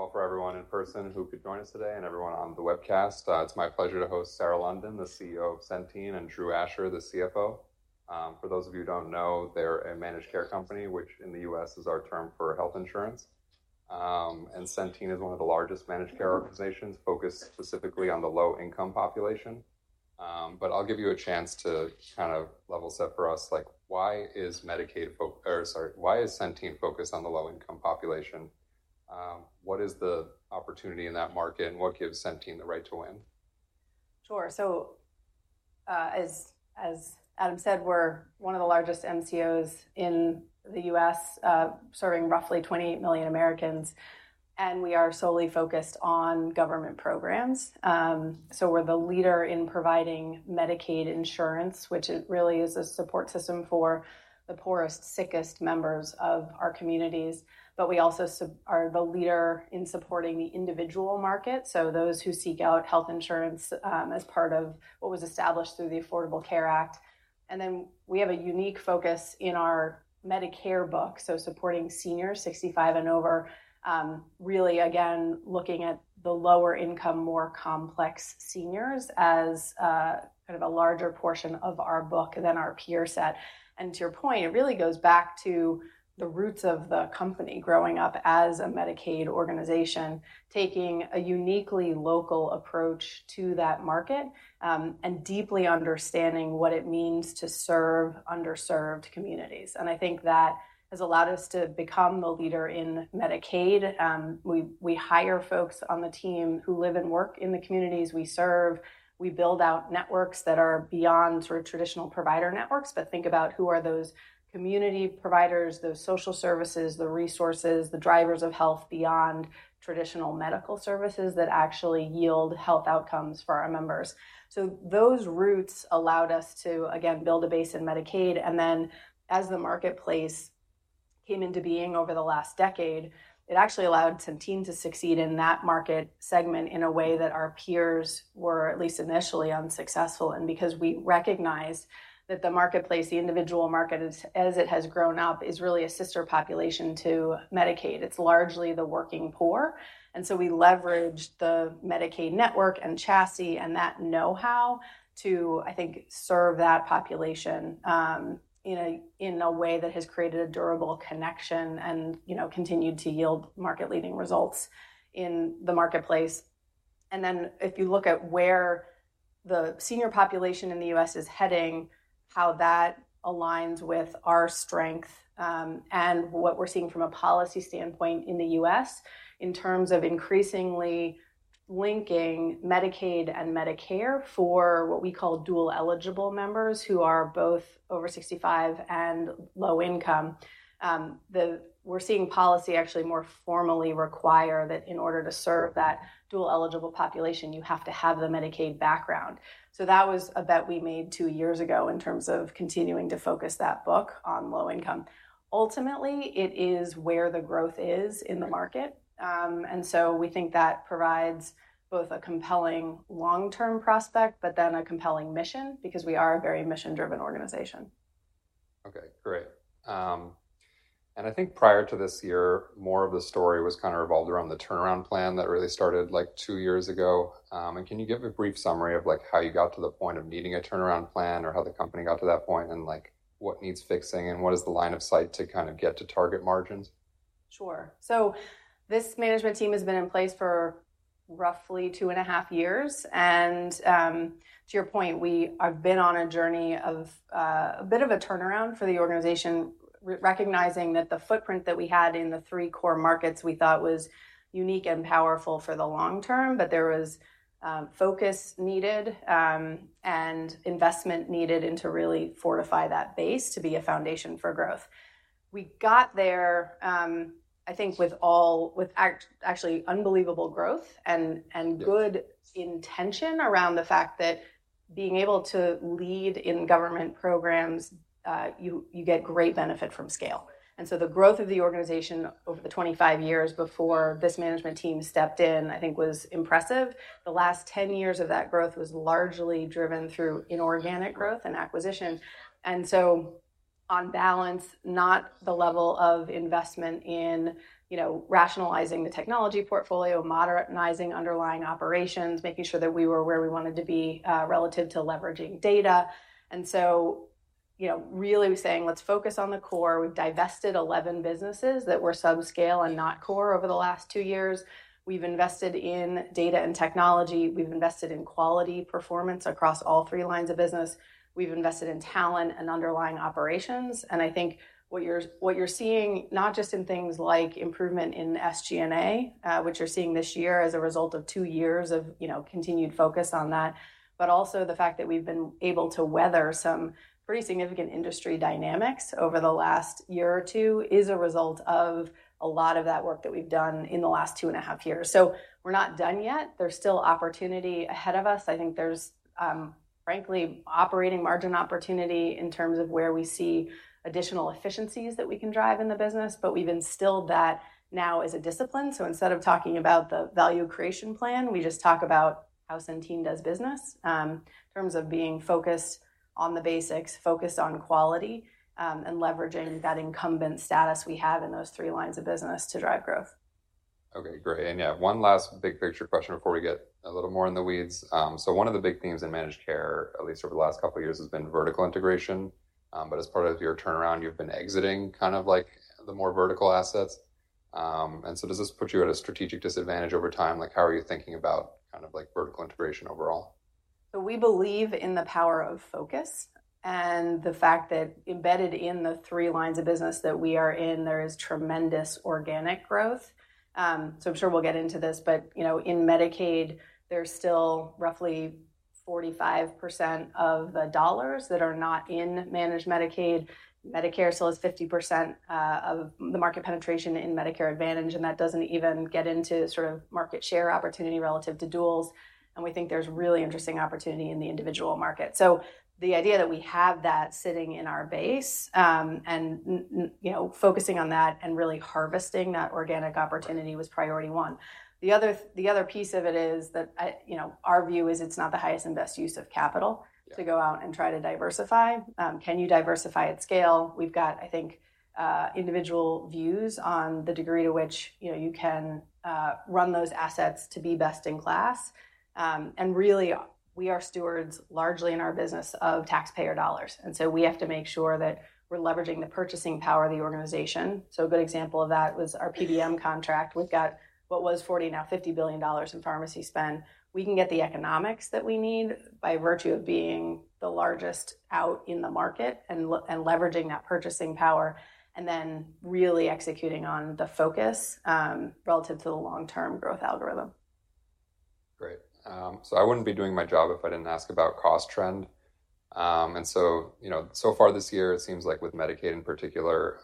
Thank you all for everyone in person who could join us today and everyone on the webcast. It's my pleasure to host Sarah London, the CEO of Centene, and Drew Asher, the CFO. For those of you who don't know, they're a managed care company, which in the U.S. is our term for health insurance. And Centene is one of the largest managed care organizations focused specifically on the low-income population. But I'll give you a chance to kind of level set for us, like, why is Medicaid or sorry, why is Centene focused on the low-income population? What is the opportunity in that market, and what gives Centene the right to win? Sure. So, as Adam said, we're one of the largest MCOs in the U.S., serving roughly 28 million Americans, and we are solely focused on government programs. So we're the leader in providing Medicaid insurance, which it really is a support system for the poorest, sickest members of our communities. But we also are the leader in supporting the individual market, so those who seek out health insurance, as part of what was established through the Affordable Care Act. And then we have a unique focus in our Medicare book, so supporting seniors 65 and over. Really, again, looking at the lower income, more complex seniors as kind of a larger portion of our book than our peer set. And to your point, it really goes back to the roots of the company growing up as a Medicaid organization, taking a uniquely local approach to that market, and deeply understanding what it means to serve underserved communities. And I think that has allowed us to become the leader in Medicaid. We hire folks on the team who live and work in the communities we serve. We build out networks that are beyond sort of traditional provider networks, but think about who are those community providers, those social services, the resources, the drivers of health beyond traditional medical services that actually yield health outcomes for our members. Those routes allowed us to, again, build a base in Medicaid, and then as the marketplace came into being over the last decade, it actually allowed Centene to succeed in that market segment in a way that our peers were at least initially unsuccessful in. Because we recognized that the marketplace, the individual market, as it has grown up, is really a sister population to Medicaid. It's largely the working poor, and so we leveraged the Medicaid network and chassis and that know-how to, I think, serve that population in a way that has created a durable connection and, you know, continued to yield market-leading results in the marketplace. And then if you look at where the senior population in the U.S. is heading, how that aligns with our strength, and what we're seeing from a policy standpoint in the U.S. in terms of increasingly linking Medicaid and Medicare for what we call dual-eligible members, who are both over sixty-five and low income. We're seeing policy actually more formally require that in order to serve that dual-eligible population, you have to have the Medicaid background. So that was a bet we made two years ago in terms of continuing to focus that book on low income. Ultimately, it is where the growth is in the market. And so we think that provides both a compelling long-term prospect, but then a compelling mission, because we are a very mission-driven organization. Okay, great. And I think prior to this year, more of the story was kind of revolved around the turnaround plan that really started, like, two years ago. And can you give a brief summary of, like, how you got to the point of needing a turnaround plan, or how the company got to that point, and, like, what needs fixing, and what is the line of sight to kind of get to target margins? Sure. So this management team has been in place for roughly two and a half years, and to your point, I've been on a journey of a bit of a turnaround for the organization, recognizing that the footprint that we had in the three core markets we thought was unique and powerful for the long term, but there was focus needed and investment needed, and to really fortify that base to be a foundation for growth. We got there, I think with actually unbelievable growth and. Yeah... good intention around the fact that being able to lead in government programs, you get great benefit from scale. And so the growth of the organization over the 25 years before this management team stepped in, I think was impressive. The last 10 years of that growth was largely driven through inorganic growth and acquisition. And so on balance, not the level of investment in, you know, rationalizing the technology portfolio, modernizing underlying operations, making sure that we were where we wanted to be, relative to leveraging data. And so, you know, really saying, "Let's focus on the core." We've divested 11 businesses that were subscale and not core over the last 2 years. We've invested in data and technology. We've invested in quality performance across all three lines of business. We've invested in talent and underlying operations. And I think what you're seeing, not just in things like improvement in SG&A, which you're seeing this year as a result of two years of, you know, continued focus on that, but also the fact that we've been able to weather some pretty significant industry dynamics over the last year or two, is a result of a lot of that work that we've done in the last two and a half years. So we're not done yet. There's still opportunity ahead of us. I think there's, frankly, operating margin opportunity in terms of where we see additional efficiencies that we can drive in the business, but we've instilled that now as a discipline. So instead of talking about the Value Creation Plan, we just talk about how Centene does business, in terms of being focused on the basics, focused on quality, and leveraging that incumbent status we have in those three lines of business to drive growth.... Okay, great. And yeah, one last big picture question before we get a little more in the weeds. So one of the big themes in managed care, at least over the last couple of years, has been vertical integration. But as part of your turnaround, you've been exiting kind of like the more vertical assets. And so does this put you at a strategic disadvantage over time? Like, how are you thinking about kind of like vertical integration overall? So we believe in the power of focus and the fact that embedded in the three lines of business that we are in, there is tremendous organic growth. So I'm sure we'll get into this, but you know, in Medicaid, there's still roughly 45% of the dollars that are not in managed Medicaid. Medicare still has 50% of the market penetration in Medicare Advantage, and that doesn't even get into sort of market share opportunity relative to duals. And we think there's really interesting opportunity in the individual market. So the idea that we have that sitting in our base, and you know, focusing on that and really harvesting that organic opportunity was priority one. The other piece of it is that you know, our view is it's not the highest and best use of capital- Yeah to go out and try to diversify. Can you diversify at scale? We've got, I think, individual views on the degree to which, you know, you can run those assets to be best in class, and really, we are stewards largely in our business of taxpayer dollars, and so we have to make sure that we're leveraging the purchasing power of the organization. So a good example of that was our PBM contract. We've got what was $40 billion, now $50 billion in pharmacy spend. We can get the economics that we need by virtue of being the largest out in the market and leveraging that purchasing power and then really executing on the focus relative to the long-term growth algorithm. Great. So I wouldn't be doing my job if I didn't ask about cost trend. And so, you know, so far this year, it seems like with Medicaid in particular,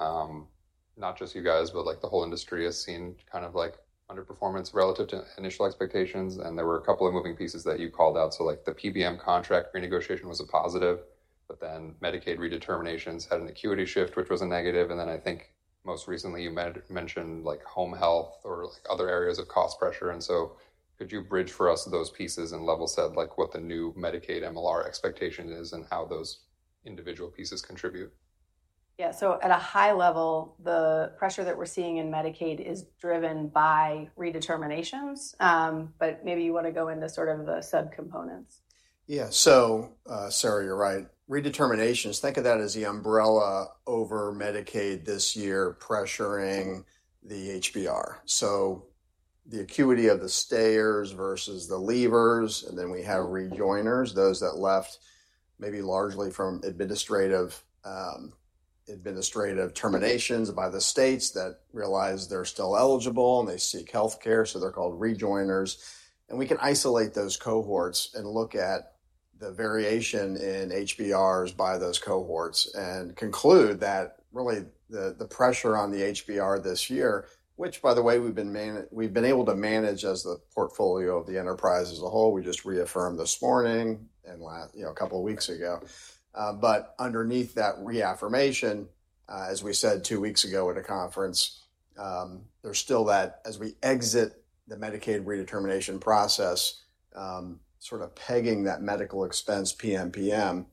not just you guys, but like the whole industry has seen kind of like underperformance relative to initial expectations. And there were a couple of moving pieces that you called out. So, like, the PBM contract renegotiation was a positive, but then Medicaid redeterminations had an acuity shift, which was a negative. And then I think most recently you mentioned, like, home health or, like, other areas of cost pressure. And so could you bridge for us those pieces and level set, like what the new Medicaid MLR expectation is and how those individual pieces contribute? Yeah. So at a high level, the pressure that we're seeing in Medicaid is driven by redeterminations. But maybe you want to go into sort of the subcomponents. Yeah. So, Sarah, you're right. Redeterminations, think of that as the umbrella over Medicaid this year, pressuring the HBR. So the acuity of the stayers versus the leavers, and then we have rejoiners, those that left maybe largely from administrative terminations by the states that realize they're still eligible and they seek healthcare, so they're called rejoiners. And we can isolate those cohorts and look at the variation in HBRs by those cohorts and conclude that really the pressure on the HBR this year, which by the way, we've been able to manage as the portfolio of the enterprise as a whole. We just reaffirmed this morning and you know, a couple of weeks ago. But underneath that reaffirmation, as we said two weeks ago at a conference, there's still that as we exit the Medicaid redetermination process, sort of pegging that medical expense PMPM,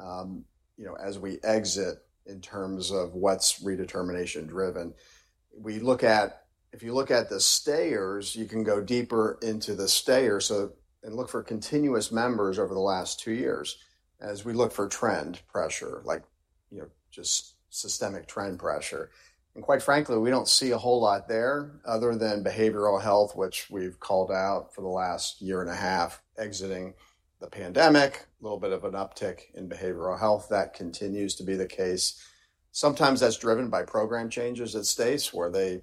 you know, as we exit in terms of what's redetermination driven. We look at. If you look at the stayers, you can go deeper into the stayers, so, and look for continuous members over the last two years as we look for trend pressure, like, you know, just systemic trend pressure. And quite frankly, we don't see a whole lot there other than behavioral health, which we've called out for the last year and a half, exiting the pandemic. Little bit of an uptick in behavioral health. That continues to be the case. Sometimes that's driven by program changes at states where they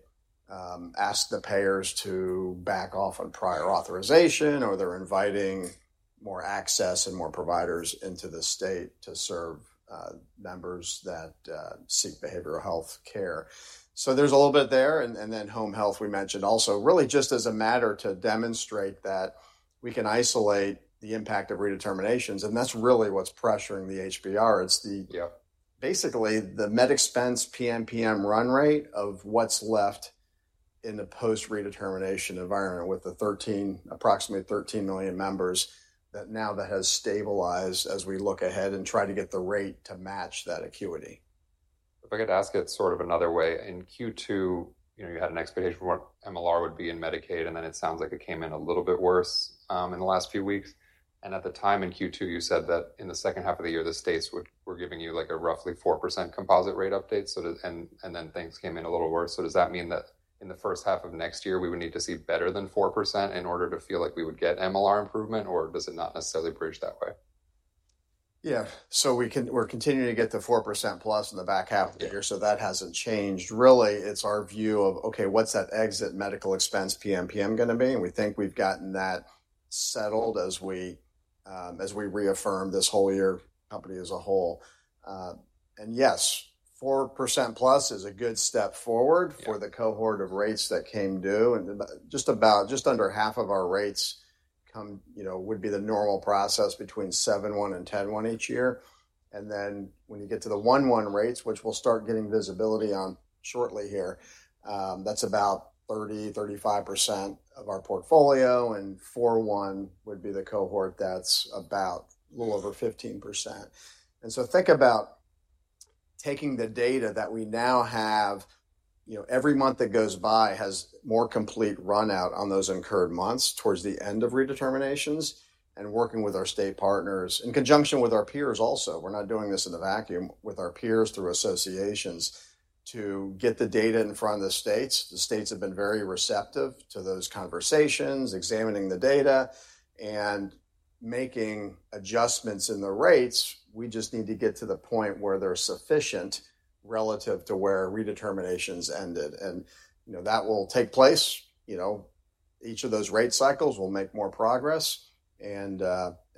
ask the payers to back off on prior authorization, or they're inviting more access and more providers into the state to serve members that seek behavioral health care. So there's a little bit there and then home health we mentioned also. Really just as a matter to demonstrate that we can isolate the impact of redeterminations, and that's really what's pressuring the HBR. It's the- Yeah ... basically, the med expense PMPM run rate of what's left in the post redetermination environment with the 13, approximately 13 million members, that now that has stabilized as we look ahead and try to get the rate to match that acuity. If I could ask it sort of another way. In Q2, you know, you had an expectation for what MLR would be in Medicaid, and then it sounds like it came in a little bit worse in the last few weeks. And at the time in Q2, you said that in the second half of the year, the states were giving you, like, a roughly 4% composite rate update, and then things came in a little worse. So does that mean that in the first half of next year, we would need to see better than 4% in order to feel like we would get MLR improvement, or does it not necessarily bridge that way? Yeah. So we're continuing to get the 4% plus in the back half of the year- Yeah... so that hasn't changed. Really, it's our view of, okay, what's that exit medical expense PMPM gonna be? And we think we've gotten that settled as we reaffirm this whole year, company as a whole, and yes, 4% plus is a good step forward. Yeah... for the cohort of rates that came due. And about just under half of our rates come, you know, would be the normal process between seven one and ten one each year. And then when you get to the one-one rates, which we'll start getting visibility on shortly here, that's about 30% to 35% of our portfolio, and four one would be the cohort that's about a little over 15%. And so think about taking the data that we now have, you know, every month that goes by has more complete run out on those incurred months towards the end of redeterminations, and working with our state partners, in conjunction with our peers also, we're not doing this in a vacuum, with our peers through associations, to get the data in front of the states. The states have been very receptive to those conversations, examining the data and making adjustments in the rates. We just need to get to the point where they're sufficient relative to where redeterminations ended, and, you know, that will take place. You know, each of those rate cycles will make more progress, and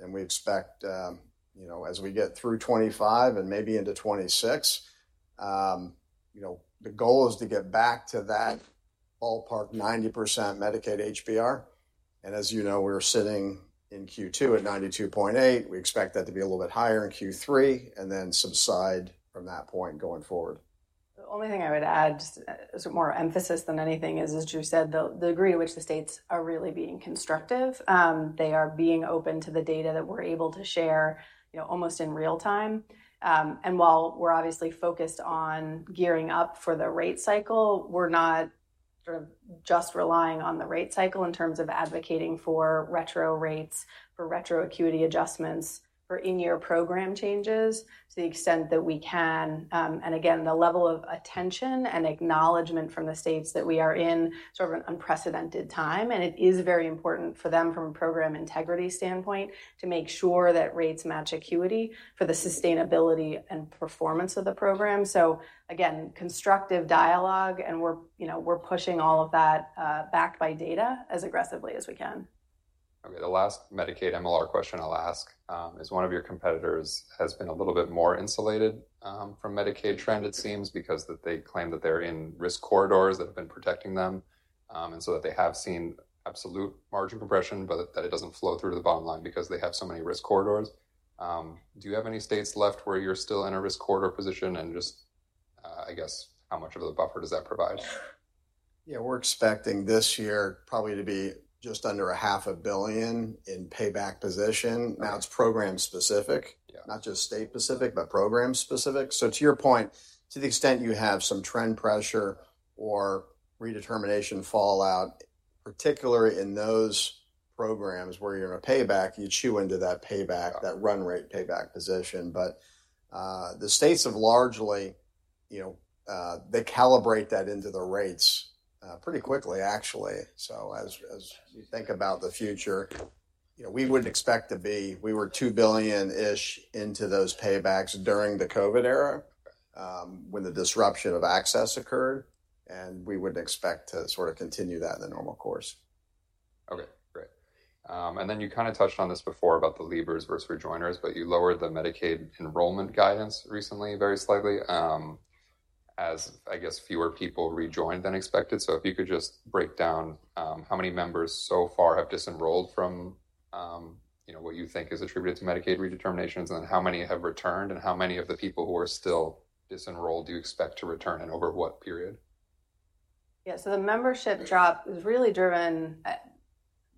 we expect, you know, as we get through 2025 and maybe into 2026, you know, the goal is to get back to that ballpark, 90% Medicaid HBR. As you know, we're sitting in Q2 at 92.8. We expect that to be a little bit higher in Q3 and then subside from that point going forward. The only thing I would add, just as more emphasis than anything is, as you said, the degree to which the states are really being constructive. They are being open to the data that we're able to share, you know, almost in real time, and while we're obviously focused on gearing up for the rate cycle, we're not sort of just relying on the rate cycle in terms of advocating for retro rates, for retro acuity adjustments, for in-year program changes to the extent that we can, and again, the level of attention and acknowledgement from the states that we are in sort of an unprecedented time, and it is very important for them from a program integrity standpoint, to make sure that rates match acuity for the sustainability and performance of the program. So again, constructive dialogue, and we're, you know, we're pushing all of that backed by data as aggressively as we can. Okay, the last Medicaid MLR question I'll ask, is one of your competitors, has been a little bit more insulated, from Medicaid trend, it seems, because that they claim that they're in risk corridors that have been protecting them. And so that they have seen absolute margin compression, but that it doesn't flow through to the bottom line because they have so many risk corridors. Do you have any states left where you're still in a risk corridor position? And just, I guess, how much of a buffer does that provide? Yeah, we're expecting this year probably to be just under $500 million in payback position. Now, it's program-specific- Yeah... not just state specific, but program specific. So to your point, to the extent you have some trend pressure or redetermination fallout, particularly in those programs where you're in a payback, you chew into that payback, that run rate payback position. But, the states have largely, you know, they calibrate that into the rates, pretty quickly, actually. So as, as you think about the future, you know, we would expect to be we were $2 billion-ish into those paybacks during the COVID era, when the disruption of access occurred, and we would expect to sort of continue that in the normal course. Okay, great, and then you kind of touched on this before about the leavers versus rejoiners, but you lowered the Medicaid enrollment guidance recently, very slightly, as I guess fewer people rejoined than expected, so if you could just break down how many members so far have disenrolled from, you know, what you think is attributed to Medicaid redeterminations, and how many have returned, and how many of the people who are still disenrolled do you expect to return, and over what period? Yeah, so the membership drop is really driven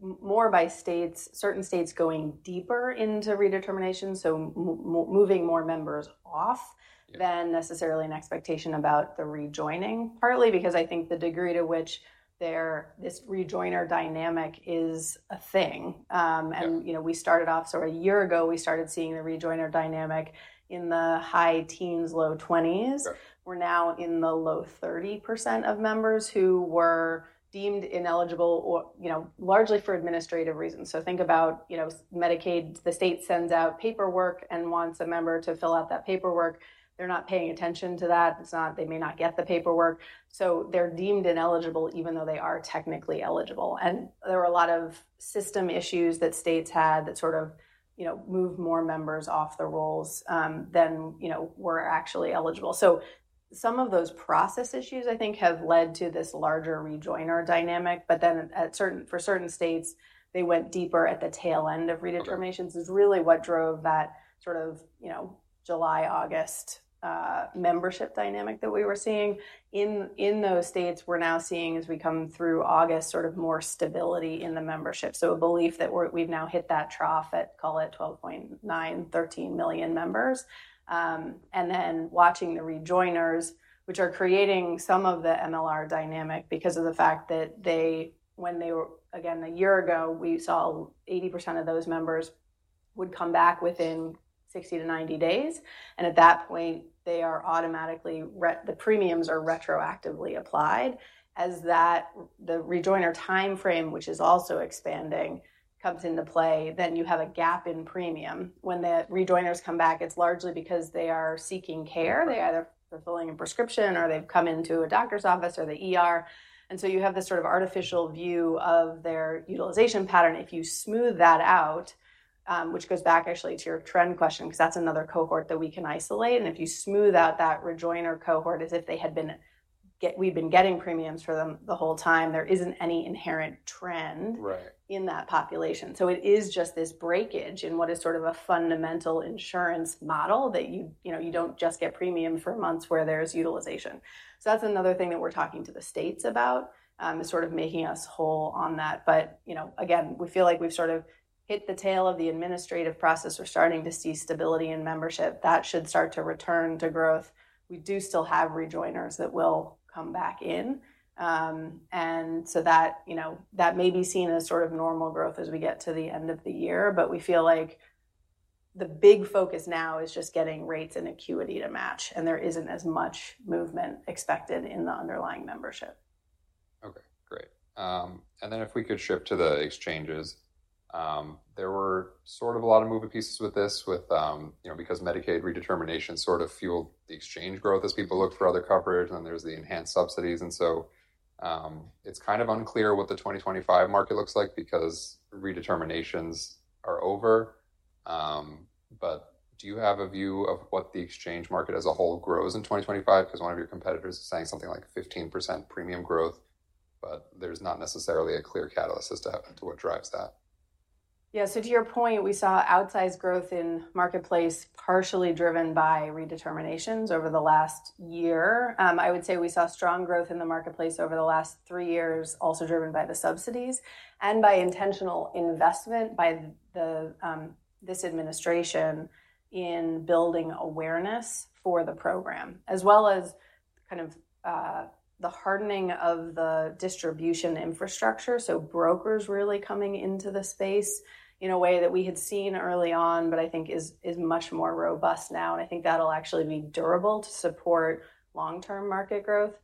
more by states, certain states going deeper into redetermination, so moving more members off- Yeah... than necessarily an expectation about the rejoining. Partly because I think the degree to which their, this rejoiner dynamic is a thing. And- Yeah... you know, we started off, so a year ago, we started seeing the rejoiner dynamic in the high teens, low twenties. Sure. We're now in the low 30% of members who were deemed ineligible or, you know, largely for administrative reasons. So think about, you know, Medicaid. The state sends out paperwork and wants a member to fill out that paperwork. They're not paying attention to that. It's not, they may not get the paperwork, so they're deemed ineligible even though they are technically eligible. And there are a lot of system issues that states had that sort of, you know, moved more members off the rolls than, you know, were actually eligible. So some of those process issues, I think, have led to this larger rejoiner dynamic. But then for certain states, they went deeper at the tail end of redeterminations. Mm-hmm. is really what drove that sort of, you know, July, August membership dynamic that we were seeing. In those states, we're now seeing as we come through August, sort of more stability in the membership. So a belief that we've now hit that trough at, call it 12.9, 13 million members. And then watching the rejoiners, which are creating some of the MLR dynamic because of the fact that they, when they were. Again, a year ago, we saw 80% of those members would come back within 60 to 90 days, and at that point, they are automatically the premiums are retroactively applied. As that, the rejoiner timeframe, which is also expanding, comes into play, then you have a gap in premium. When the rejoiners come back, it's largely because they are seeking care. Mm-hmm. They either fulfilling a prescription, or they've come into a doctor's office or the ER, and so you have this sort of artificial view of their utilization pattern. If you smooth that out, which goes back actually to your trend question, because that's another cohort that we can isolate, and if you smooth out that rejoiner cohort as if they had been we've been getting premiums for them the whole time, there isn't any inherent trend. Right... in that population. So it is just this breakage in what is sort of a fundamental insurance model that you, you know, you don't just get premium for months where there's utilization. So that's another thing that we're talking to the states about, is sort of making us whole on that. But, you know, again, we feel like we've sort of hit the tail of the administrative process. We're starting to see stability in membership. That should start to return to growth. We do still have rejoiners that will come back in, and so that, you know, that may be seen as sort of normal growth as we get to the end of the year, but we feel like the big focus now is just getting rates and acuity to match, and there isn't as much movement expected in the underlying membership. Okay, great, and then if we could shift to the exchanges. There were sort of a lot of moving pieces with this, with you know, because Medicaid redetermination sort of fueled the exchange growth as people looked for other coverage, and then there's the enhanced subsidies, and so it's kind of unclear what the twenty twenty-five market looks like because redeterminations are over, but do you have a view of what the exchange market as a whole grows in twenty twenty-five? Because one of your competitors is saying something like 15% premium growth, but there's not necessarily a clear catalyst as to what drives that. Yeah. So to your point, we saw outsized growth in Marketplace, partially driven by redeterminations over the last year. I would say we saw strong growth in the marketplace over the last three years, also driven by the subsidies and by intentional investment by this administration in building awareness for the program, as well as kind of the hardening of the distribution infrastructure. So brokers really coming into the space in a way that we had seen early on, but I think is much more robust now, and I think that'll actually be durable to support long-term market growth.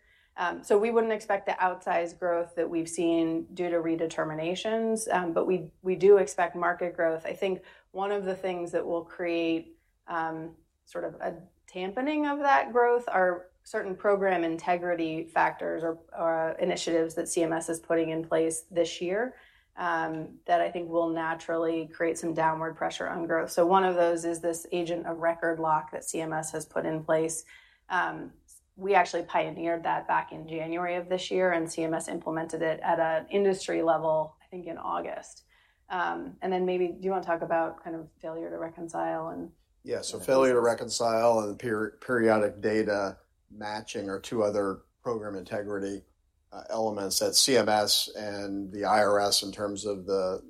So we wouldn't expect the outsized growth that we've seen due to redeterminations, but we do expect market growth. I think one of the things that will create sort of a dampening of that growth are certain program integrity factors or initiatives that CMS is putting in place this year that I think will naturally create some downward pressure on growth. So one of those is this agent of record lock that CMS has put in place. We actually pioneered that back in January of this year, and CMS implemented it at an industry level, I think, in August. And then maybe do you want to talk about kind of failure to reconcile, and- Yeah, so failure to reconcile and periodic data matching are two other program integrity elements that CMS and the IRS, in terms of the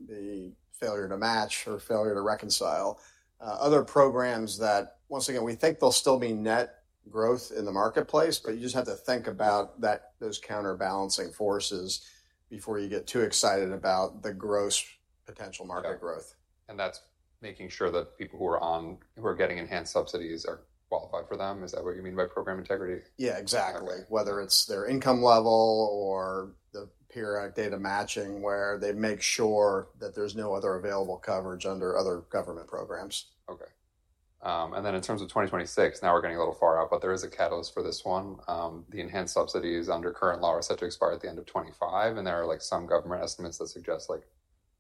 failure to match or failure to reconcile. Other programs that, once again, we think there'll still be net growth in the marketplace, but you just have to think about that, those counterbalancing forces before you get too excited about the gross potential market growth. And that's making sure that people who are getting enhanced subsidies are qualified for them. Is that what you mean by program integrity? Yeah, exactly. Okay. Whether it's their income level or the periodic data matching, where they make sure that there's no other available coverage under other government programs. Okay, and then in terms of 2026, now we're getting a little far out, but there is a catalyst for this one. The enhanced subsidies under current law are set to expire at the end of 2025, and there are, like, some government estimates that suggest, like,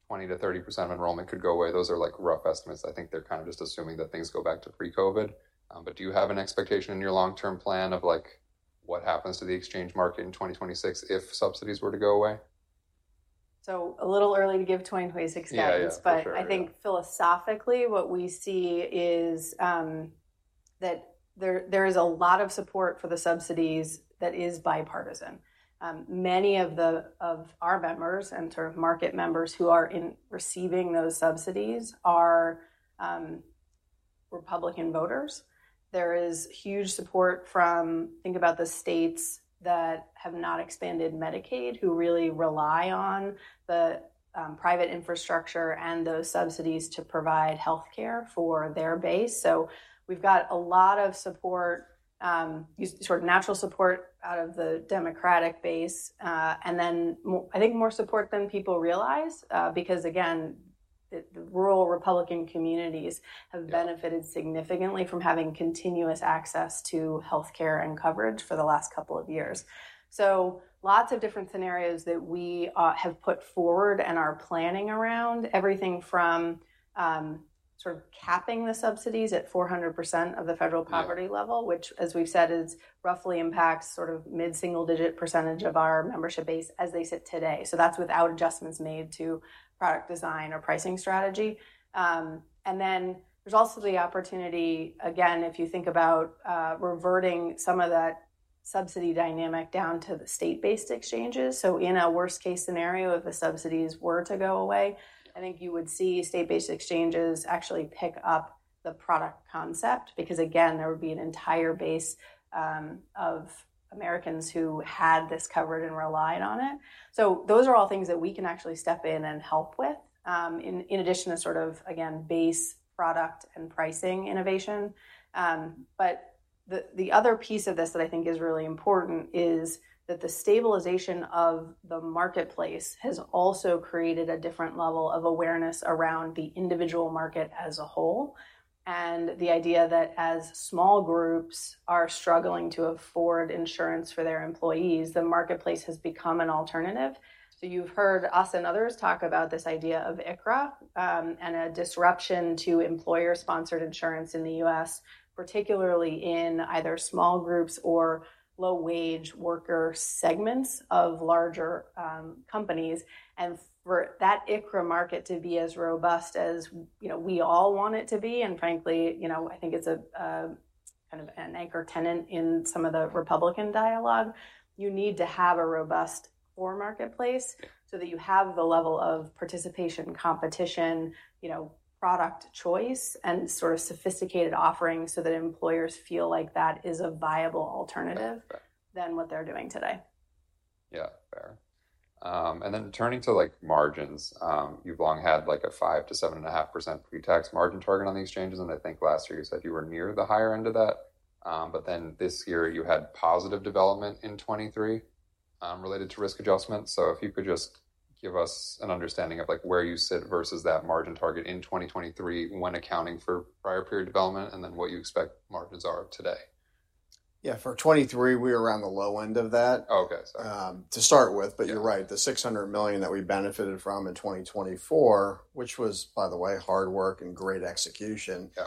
20% to 30% of enrollment could go away. Those are, like, rough estimates. I think they're kind of just assuming that things go back to pre-COVID. But do you have an expectation in your long-term plan of, like, what happens to the exchange market in 2026 if subsidies were to go away? A little early to give 2026 experience. Yeah, yeah, for sure. But I think philosophically, what we see is, that there is a lot of support for the subsidies that is bipartisan. Many of our members and sort of market members who are receiving those subsidies are Republican voters. There is huge support from... Think about the states that have not expanded Medicaid, who really rely on the private infrastructure and those subsidies to provide healthcare for their base. So we've got a lot of support, sort of natural support out of the Democratic base. And then more, I think more support than people realize, because, again, the rural Republican communities have benefited significantly from having continuous access to healthcare and coverage for the last couple of years. So lots of different scenarios that we have put forward and are planning around everything from sort of capping the subsidies at 400% of the federal poverty level- Yeah... which, as we've said, is roughly impacts sort of mid-single-digit % of our membership base as they sit today. So that's without adjustments made to product design or pricing strategy. And then there's also the opportunity, again, if you think about reverting some of that subsidy dynamic down to the state-based exchanges. So in a worst-case scenario, if the subsidies were to go away, I think you would see state-based exchanges actually pick up the product concept, because, again, there would be an entire base of Americans who had this covered and relied on it. So those are all things that we can actually step in and help with, in addition to sort of, again, base product and pricing innovation. But the other piece of this that I think is really important is that the stabilization of the marketplace has also created a different level of awareness around the individual market as a whole, and the idea that as small groups are struggling to afford insurance for their employees, the marketplace has become an alternative. So you've heard us and others talk about this idea of ICRA, and a disruption to employer-sponsored insurance in the U.S., particularly in either small groups or low-wage worker segments of larger companies. And for that ICRA market to be as robust as, you know, we all want it to be, and frankly, you know, I think it's a kind of an anchor tenant in some of the Republican dialogue. You need to have a robust core marketplace, so that you have the level of participation, competition, you know, product choice, and sort of sophisticated offerings, so that employers feel like that is a viable alternative. Right... than what they're doing today.... Yeah, fair. And then turning to like margins, you've long had like a 5% to 7.5% pre-tax margin target on the exchanges. And I think last year you said you were near the higher end of that. But then this year you had positive development in 2023, related to risk adjustment. So if you could just give us an understanding of, like, where you sit versus that margin target in 2023, when accounting for prior period development, and then what you expect margins are today. Yeah. For 2023, we were around the low end of that- Okay. Sorry. To start with. Yeah. But you're right, the $600 million that we benefited from in 2024, which was, by the way, hard work and great execution- Yeah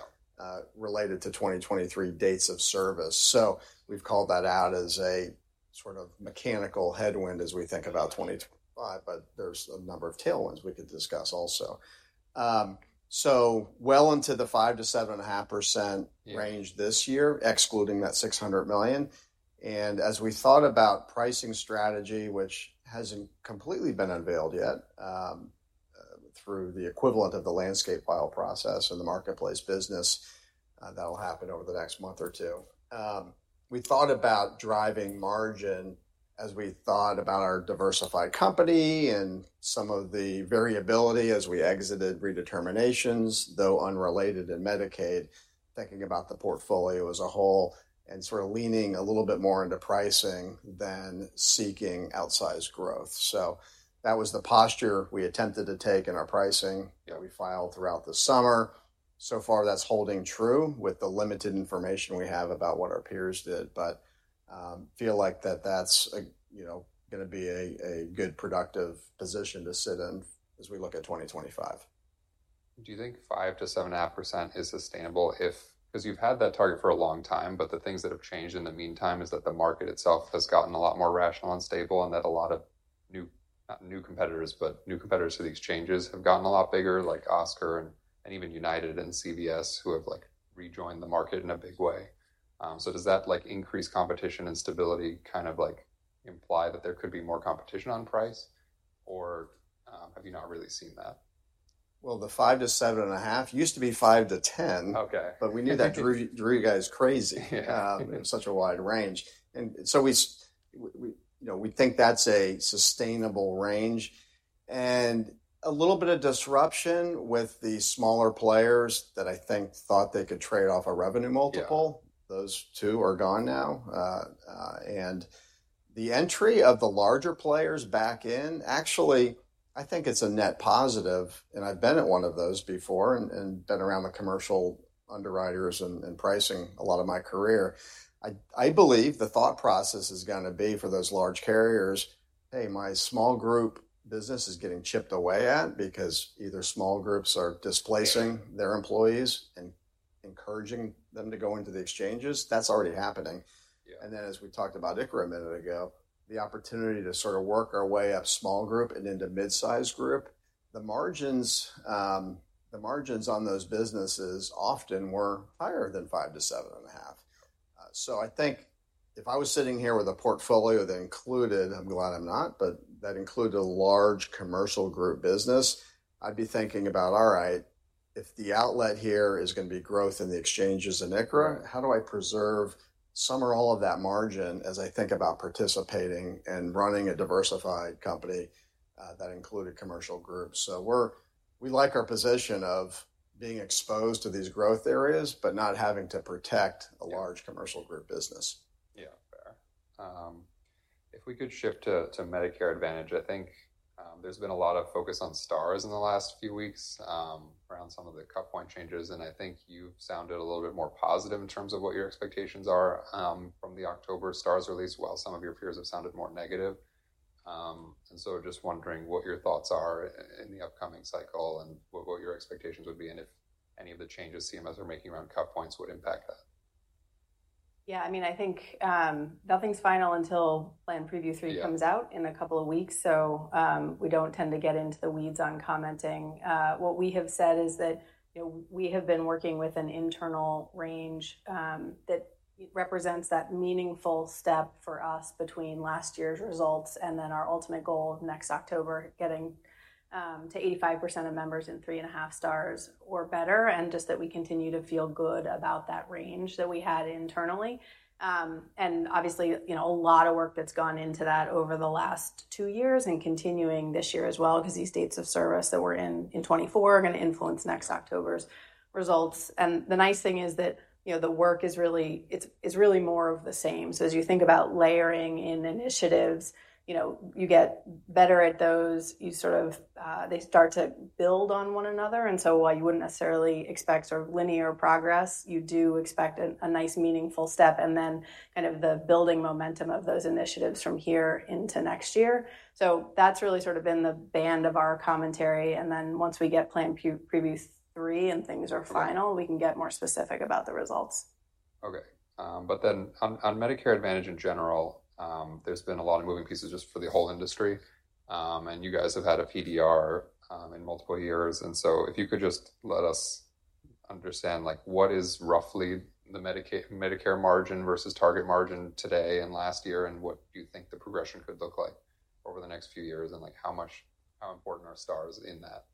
Related to 2023 dates of service, so we've called that out as a sort of mechanical headwind as we think about 2025. But there's a number of tailwinds we could discuss also, so well into the 5% to 7.5% Yeah -range this year, excluding that $600 million. And as we thought about pricing strategy, which hasn't completely been unveiled yet, through the equivalent of the landscape file process and the marketplace business, that'll happen over the next month or two. We thought about driving margin as we thought about our diversified company and some of the variability as we exited redeterminations, though unrelated in Medicaid, thinking about the portfolio as a whole and sort of leaning a little bit more into pricing than seeking outsized growth. So that was the posture we attempted to take in our pricing- Yeah that we filed throughout the summer. So far, that's holding true with the limited information we have about what our peers did, but feel like that's a, you know, gonna be a good, productive position to sit in as we look at 2025. Do you think 5% to 7.5% is sustainable if, because you've had that target for a long time, but the things that have changed in the meantime is that the market itself has gotten a lot more rational and stable, and that a lot of new, not new competitors, but new competitors to the exchanges have gotten a lot bigger, like Oscar and, and even United and CVS, who have, like, rejoined the market in a big way. So does that, like, increase competition and stability, kind of like imply that there could be more competition on price, or have you not really seen that? The five to seven and a half used to be five to ten. Okay. But we knew that drove you guys crazy. Yeah. such a wide range. And so we, we, you know, we think that's a sustainable range and a little bit of disruption with the smaller players that I think thought they could trade off a revenue multiple. Yeah. Those two are gone now. And the entry of the larger players back in, actually, I think it's a net positive, and I've been at one of those before and been around the commercial underwriters and pricing a lot of my career. I believe the thought process is gonna be for those large carriers: Hey, my small group business is getting chipped away at, because either small groups are displacing their employees and encouraging them to go into the exchanges. That's already happening. Yeah. And then, as we talked about ICRA a minute ago, the opportunity to sort of work our way up small group and into mid-sized group, the margins, the margins on those businesses often were higher than five to seven and a half. So I think if I was sitting here with a portfolio that included, I'm glad I'm not, but that included a large commercial group business, I'd be thinking about, all right, if the outlet here is gonna be growth in the exchanges in ICRA- Yeah How do I preserve some or all of that margin as I think about participating and running a diversified company that included commercial groups? So we like our position of being exposed to these growth areas, but not having to protect- Yeah A large commercial group business. Yeah. If we could shift to Medicare Advantage. I think there's been a lot of focus on Stars in the last few weeks around some of the cut point changes, and I think you've sounded a little bit more positive in terms of what your expectations are from the October Stars release, while some of your peers have sounded more negative. And so just wondering what your thoughts are in the upcoming cycle and what your expectations would be, and if any of the changes CMS are making around cut points would impact that. Yeah, I mean, I think, nothing's final until Plan Preview three- Yeah comes out in a couple of weeks, so we don't tend to get into the weeds on commenting. What we have said is that, you know, we have been working with an internal range that represents that meaningful step for us between last year's results and then our ultimate goal of next October, getting to 85% of members in three and a half Stars or better, and just that we continue to feel good about that range that we had internally, and obviously, you know, a lot of work that's gone into that over the last two years and continuing this year as well, because these Stars that we're in in 2024 are gonna influence next October's results, and the nice thing is that, you know, the work is really, it's really more of the same. So as you think about layering in initiatives, you know, you get better at those, you sort of, they start to build on one another, and so while you wouldn't necessarily expect sort of linear progress, you do expect a nice, meaningful step, and then kind of the building momentum of those initiatives from here into next year. So that's really sort of been the band of our commentary, and then once we get plan pre-preview three and things are final- Okay We can get more specific about the results. Okay, but then on Medicare Advantage in general, there's been a lot of moving pieces just for the whole industry, and you guys have had a PDR in multiple years. And so if you could just let us understand, like, what is roughly the Medicare margin versus target margin today and last year, and what do you think the progression could look like over the next few years? And like, how important are Stars in that?...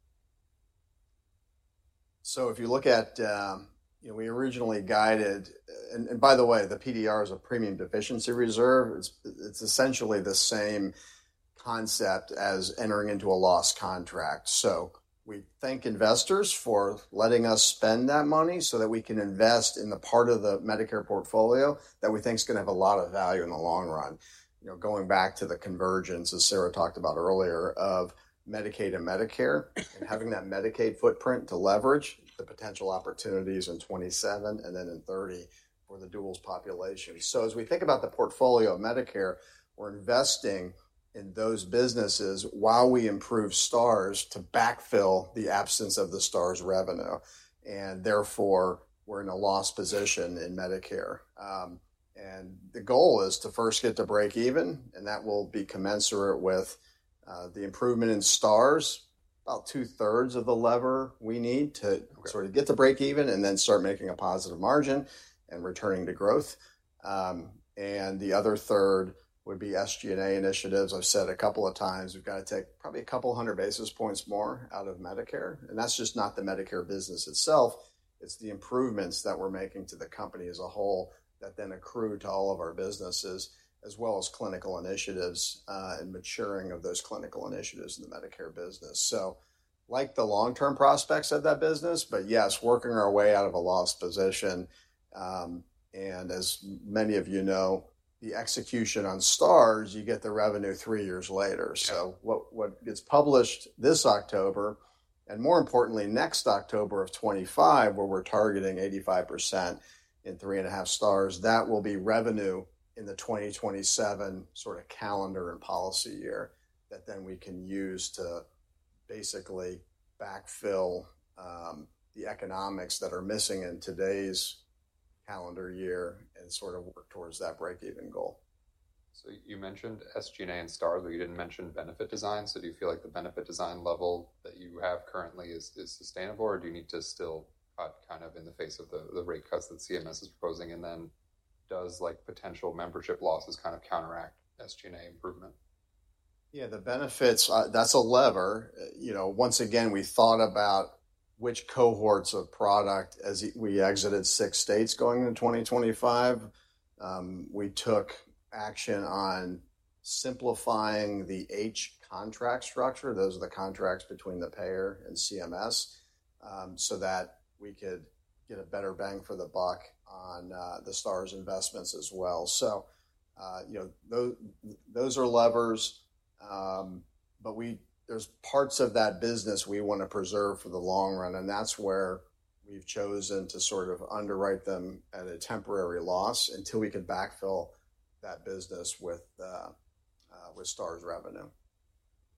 So if you look at, you know, we originally guided, and by the way, the PDR is a premium deficiency reserve. It's essentially the same concept as entering into a loss contract. So we thank investors for letting us spend that money so that we can invest in the part of the Medicare portfolio that we think is going to have a lot of value in the long run. You know, going back to the convergence, as Sarah talked about earlier, of Medicaid and Medicare, and having that Medicaid footprint to leverage the potential opportunities in 2027 and then in 2030 for the duals population. So as we think about the portfolio of Medicare, we're investing in those businesses while we improve Stars to backfill the absence of the Stars' revenue, and therefore, we're in a loss position in Medicare. And the goal is to first get to break even, and that will be commensurate with the improvement in Stars. About two-thirds of the lever we need to sort of get to break even and then start making a positive margin and returning to growth. And the other third would be SG&A initiatives. I've said a couple of times, we've got to take probably a couple of hundred basis points more out of Medicare, and that's just not the Medicare business itself. It's the improvements that we're making to the company as a whole that then accrue to all of our businesses, as well as clinical initiatives, and maturing of those clinical initiatives in the Medicare business. So like the long-term prospects of that business, but yes, working our way out of a loss position, and as many of you know, the execution on Stars, you get the revenue three years later. So what gets published this October, and more importantly, next October of 2025, where we're targeting 85% in three and a half Stars, that will be revenue in the 2027 sort of calendar and policy year, that then we can use to basically backfill the economics that are missing in today's calendar year and sort of work towards that break-even goal. So you mentioned SG&A and Stars, but you didn't mention benefit design. So do you feel like the benefit design level that you have currently is sustainable, or do you need to still cut kind of in the face of the rate cuts that CMS is proposing, and then does like potential membership losses kind of counteract SG&A improvement? Yeah, the benefits, that's a lever. You know, once again, we thought about which cohorts of product as we exited six states going into 2025. We took action on simplifying the H Contract structure. Those are the contracts between the payer and CMS, so that we could get a better bang for the buck on the Stars' investments as well. So, you know, those are levers, but there's parts of that business we want to preserve for the long run, and that's where we've chosen to sort of underwrite them at a temporary loss until we can backfill that business with Stars revenue.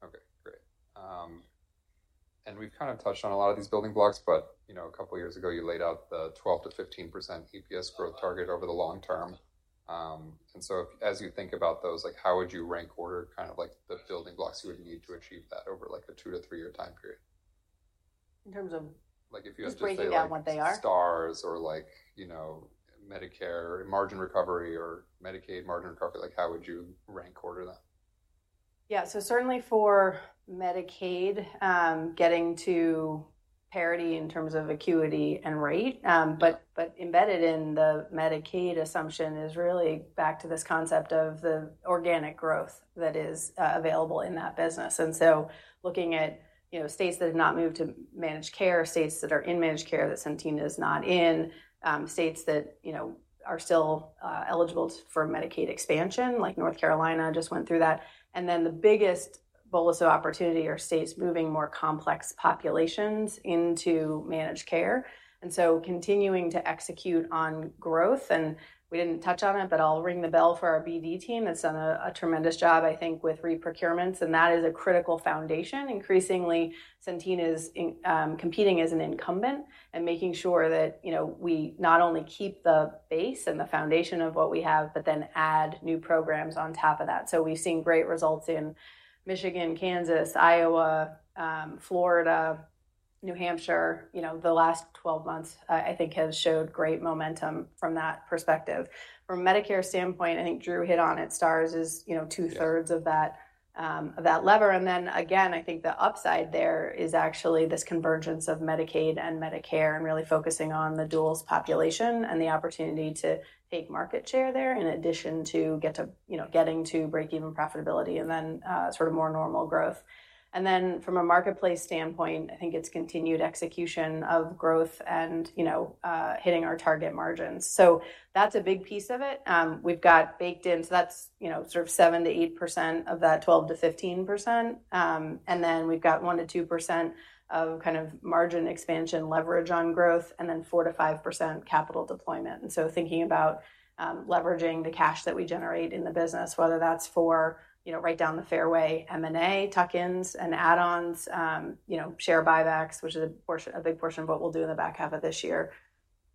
Okay, great. And we've kind of touched on a lot of these building blocks, but, you know, a couple of years ago, you laid out the 12% to 15% EPS growth target over the long term. And so as you think about those, like, how would you rank order, kind of like the building blocks you would need to achieve that over, like, a 2-3-year time period? In terms of- Like, if you had to- Just breaking down what they are. Stars or like, you know, Medicare margin recovery or Medicaid margin recovery, like, how would you rank order them? Yeah, so certainly for Medicaid, getting to parity in terms of acuity and rate, but embedded in the Medicaid assumption is really back to this concept of the organic growth that is available in that business. So looking at, you know, states that have not moved to managed care, states that are in managed care, that Centene is not in, states that, you know, are still eligible for Medicaid expansion, like North Carolina just went through that. Then the biggest bolus of opportunity are states moving more complex populations into managed care. So continuing to execute on growth, and we didn't touch on it, but I'll ring the bell for our BD team that's done a tremendous job, I think, with reprocurements, and that is a critical foundation. Increasingly, Centene is in competing as an incumbent and making sure that, you know, we not only keep the base and the foundation of what we have, but then add new programs on top of that. So we've seen great results in Michigan, Kansas, Iowa, Florida, New Hampshire. You know, the last 12 months, I think, has showed great momentum from that perspective. From a Medicare standpoint, I think Drew hit on it. Stars is, you know, two-thirds of that, of that lever. And then again, I think the upside there is actually this convergence of Medicaid and Medicare and really focusing on the duals population and the opportunity to take market share there, in addition to get to, you know, getting to breakeven profitability and then, sort of more normal growth. And then from a marketplace standpoint, I think it's continued execution of growth and, you know, hitting our target margins. So that's a big piece of it. We've got baked in, so that's, you know, sort of 7% to 8% of that 12% to 15%. And then we've got 1% to 2% of kind of margin expansion, leverage on growth, and then 4% to 5% capital deployment. And so thinking about leveraging the cash that we generate in the business, whether that's for, you know, right down the fairway, M&A, tuck-ins and add-ons, you know, share buybacks, which is a portion - a big portion of what we'll do in the back half of this year.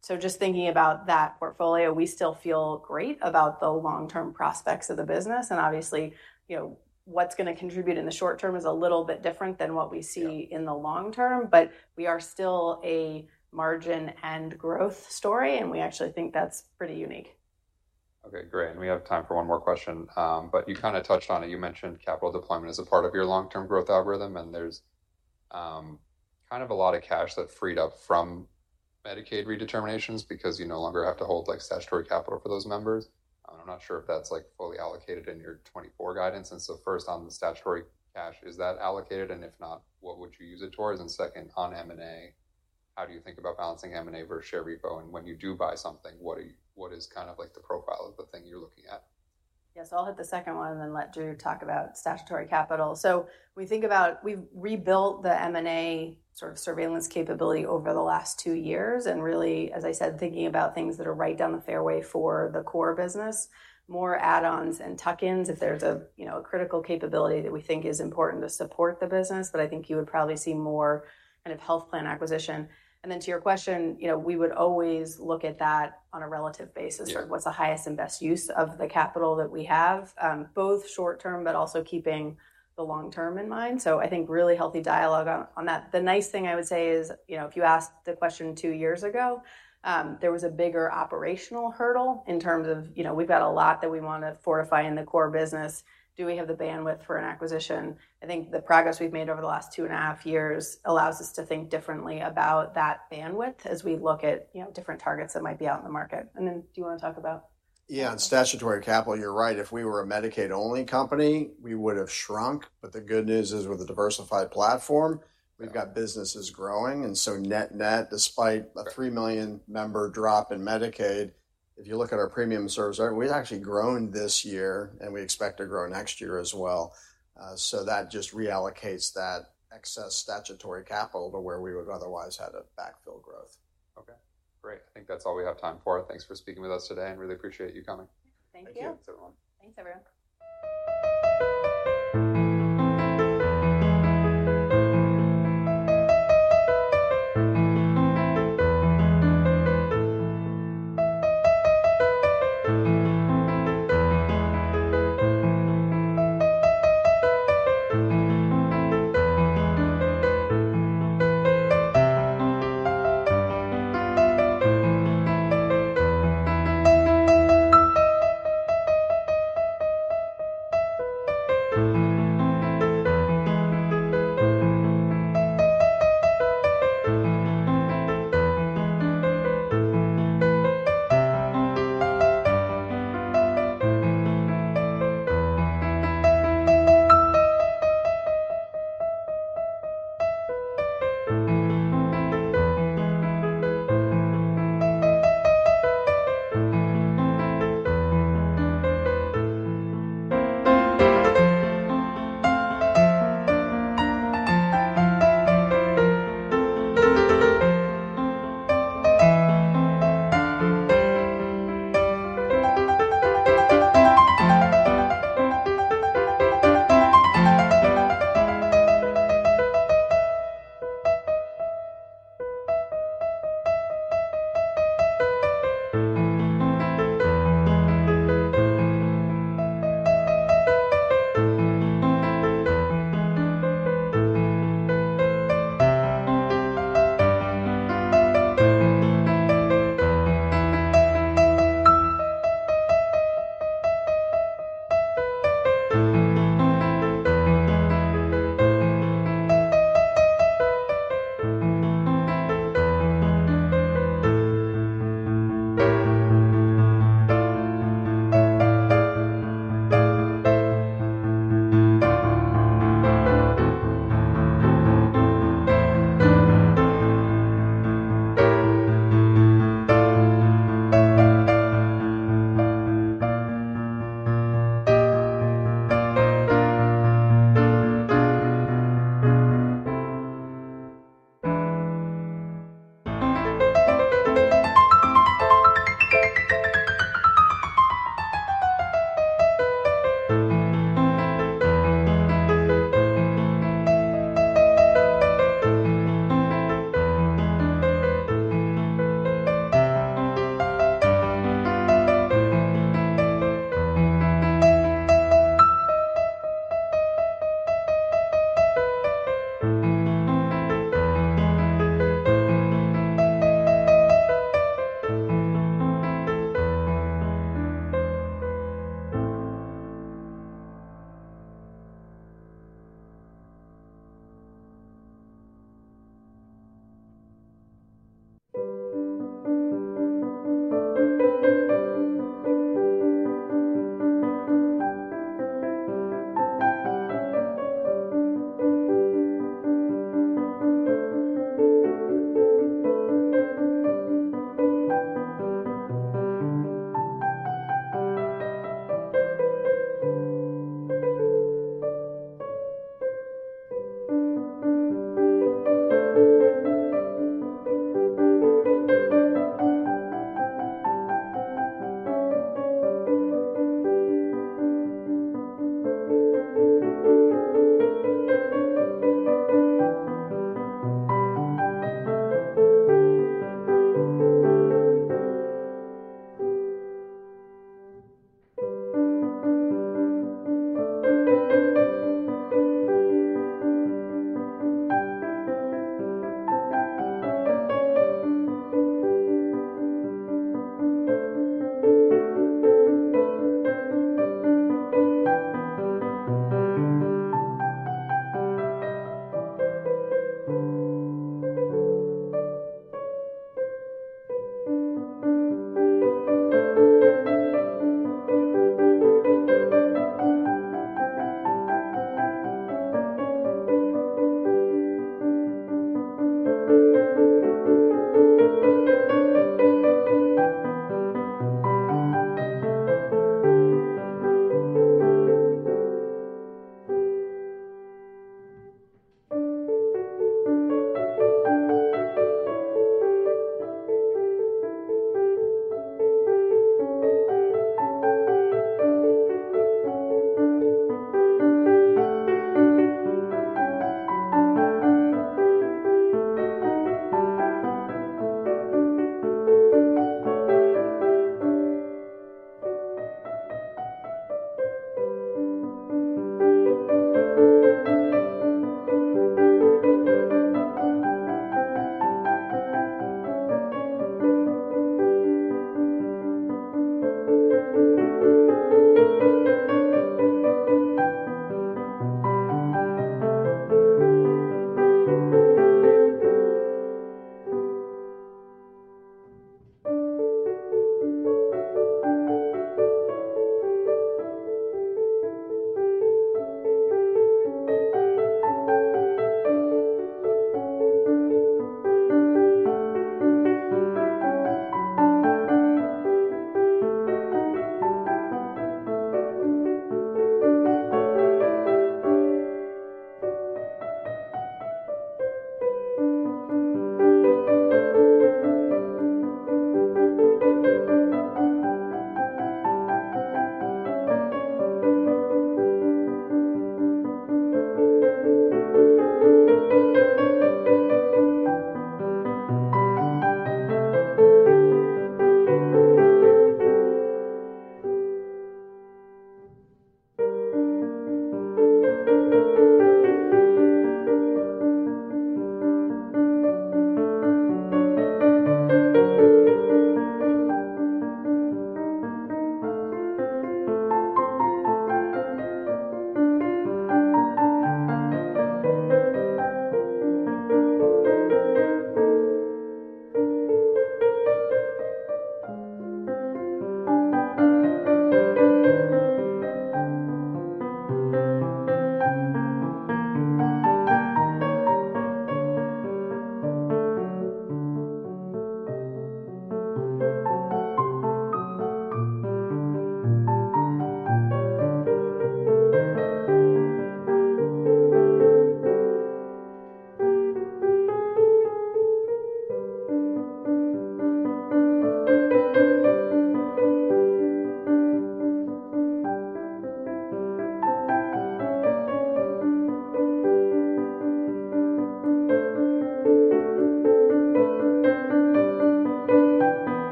So just thinking about that portfolio, we still feel great about the long-term prospects of the business. And obviously, you know, what's gonna contribute in the short term is a little bit different than what we see- Yeah... in the long term, but we are still a margin and growth story, and we actually think that's pretty unique.... Okay, great. And we have time for one more question. But you kind of touched on it. You mentioned capital deployment as a part of your long-term growth algorithm, and there's kind of a lot of cash that freed up from Medicaid redeterminations because you no longer have to hold, like, statutory capital for those members. I'm not sure if that's, like, fully allocated in your 2024 guidance. And so first, on the statutory cash, is that allocated, and if not, what would you use it towards? And second, on M&A, how do you think about balancing M&A versus share repo? And when you do buy something, what is kind of like the profile of the thing you're looking at? Yes, I'll hit the second one and then let Drew talk about statutory capital. So we think about. We've rebuilt the M&A sort of surveillance capability over the last two years, and really, as I said, thinking about things that are right down the fairway for the core business, more add-ons and tuck-ins, if there's a, you know, a critical capability that we think is important to support the business. But I think you would probably see more kind of health plan acquisition. And then to your question, you know, we would always look at that on a relative basis. Yeah. Sort of what's the highest and best use of the capital that we have, both short term, but also keeping the long term in mind. So I think really healthy dialogue on that. The nice thing I would say is, you know, if you asked the question two years ago, there was a bigger operational hurdle in terms of, you know, we've got a lot that we want to fortify in the core business. Do we have the bandwidth for an acquisition? I think the progress we've made over the last two and a half years allows us to think differently about that bandwidth as we look at, you know, different targets that might be out in the market. And then do you want to talk about...? Yeah, on statutory capital, you're right. If we were a Medicaid-only company, we would have shrunk. But the good news is, with a diversified platform, we've got businesses growing. And so net-net, despite a three million member drop in Medicaid, if you look at our premium service, we've actually grown this year, and we expect to grow next year as well. So that just reallocates that excess statutory capital to where we would otherwise had to backfill growth. Okay, great. I think that's all we have time for. Thanks for speaking with us today, and really appreciate you coming. Thank you. Thanks, everyone. Thanks, everyone. ...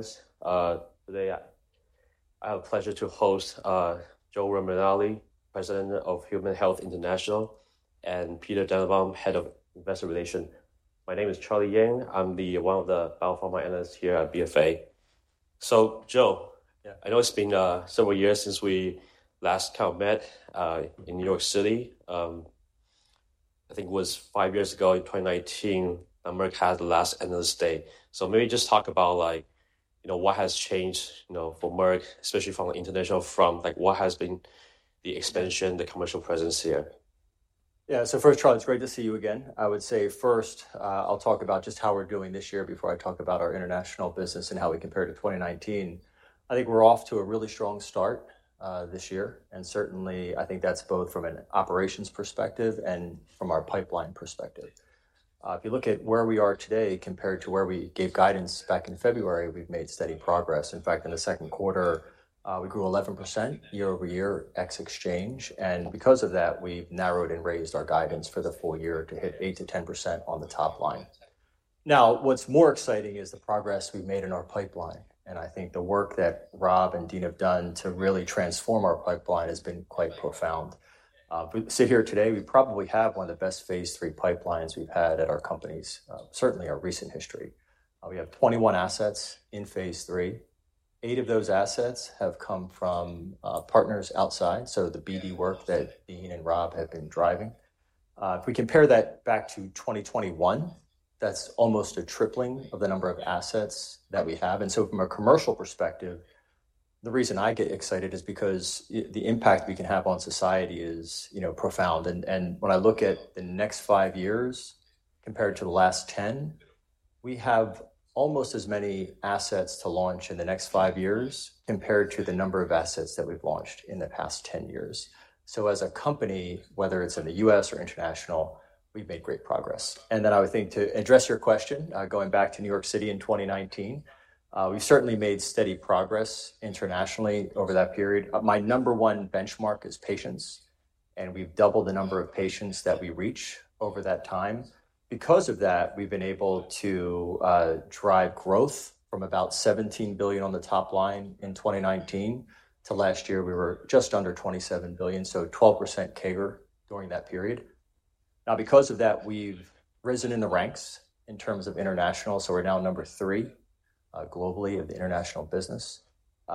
Thank you for attending our Global Healthcare Conference. Today, I have the pleasure to host Joe Romanelli, President of Human Health International, and Peter Dannenbaum, Head of Investor Relations. My name is Charlie Yang. I'm one of the Bio Pharma analysts here at BofA. So, Joe- Yeah. I know it's been several years since we last kind of met in New York City. I think it was five years ago in 2019, when Merck had the last analyst day. So maybe just talk about like, you know, what has changed, you know, for Merck, especially from an international, from like what has been the expansion, the commercial presence here? Yeah. So first, Charlie, it's great to see you again. I would say first, I'll talk about just how we're doing this year before I talk about our international business and how we compare to twenty nineteen. I think we're off to a really strong start, this year, and certainly I think that's both from an operations perspective and from our pipeline perspective. If you look at where we are today compared to where we gave guidance back in February, we've made steady progress. In fact, in the second quarter, we grew 11% year over year ex exchange, and because of that, we've narrowed and raised our guidance for the full year to hit 8% to 10% on the top line. Now, what's more exciting is the progress we've made in our pipeline, and I think the work that Rob and Dean have done to really transform our pipeline has been quite profound. We sit here today, we probably have one of the best phase three pipelines we've had at our companies, certainly our recent history. We have 21 assets in phase three. Eight of those assets have come from partners outside, so the BD work that Dean and Rob have been driving. If we compare that back to 2021, that's almost a tripling of the number of assets that we have. And so from a commercial perspective, the reason I get excited is because the impact we can have on society is, you know, profound. And when I look at the next five years compared to the last 10, we have almost as many assets to launch in the next five years compared to the number of assets that we've launched in the past 10 years. So as a company, whether it's in the US or international, we've made great progress. Then I would think to address your question, going back to New York City in 2019, we certainly made steady progress internationally over that period. My number one benchmark is patients, and we've doubled the number of patients that we reach over that time. Because of that, we've been able to drive growth from about $17 billion on the top line in 2019. To last year, we were just under $27 billion, so 12% CAGR during that period. Now, because of that, we've risen in the ranks in terms of international. So we're now number 3, globally of the international business.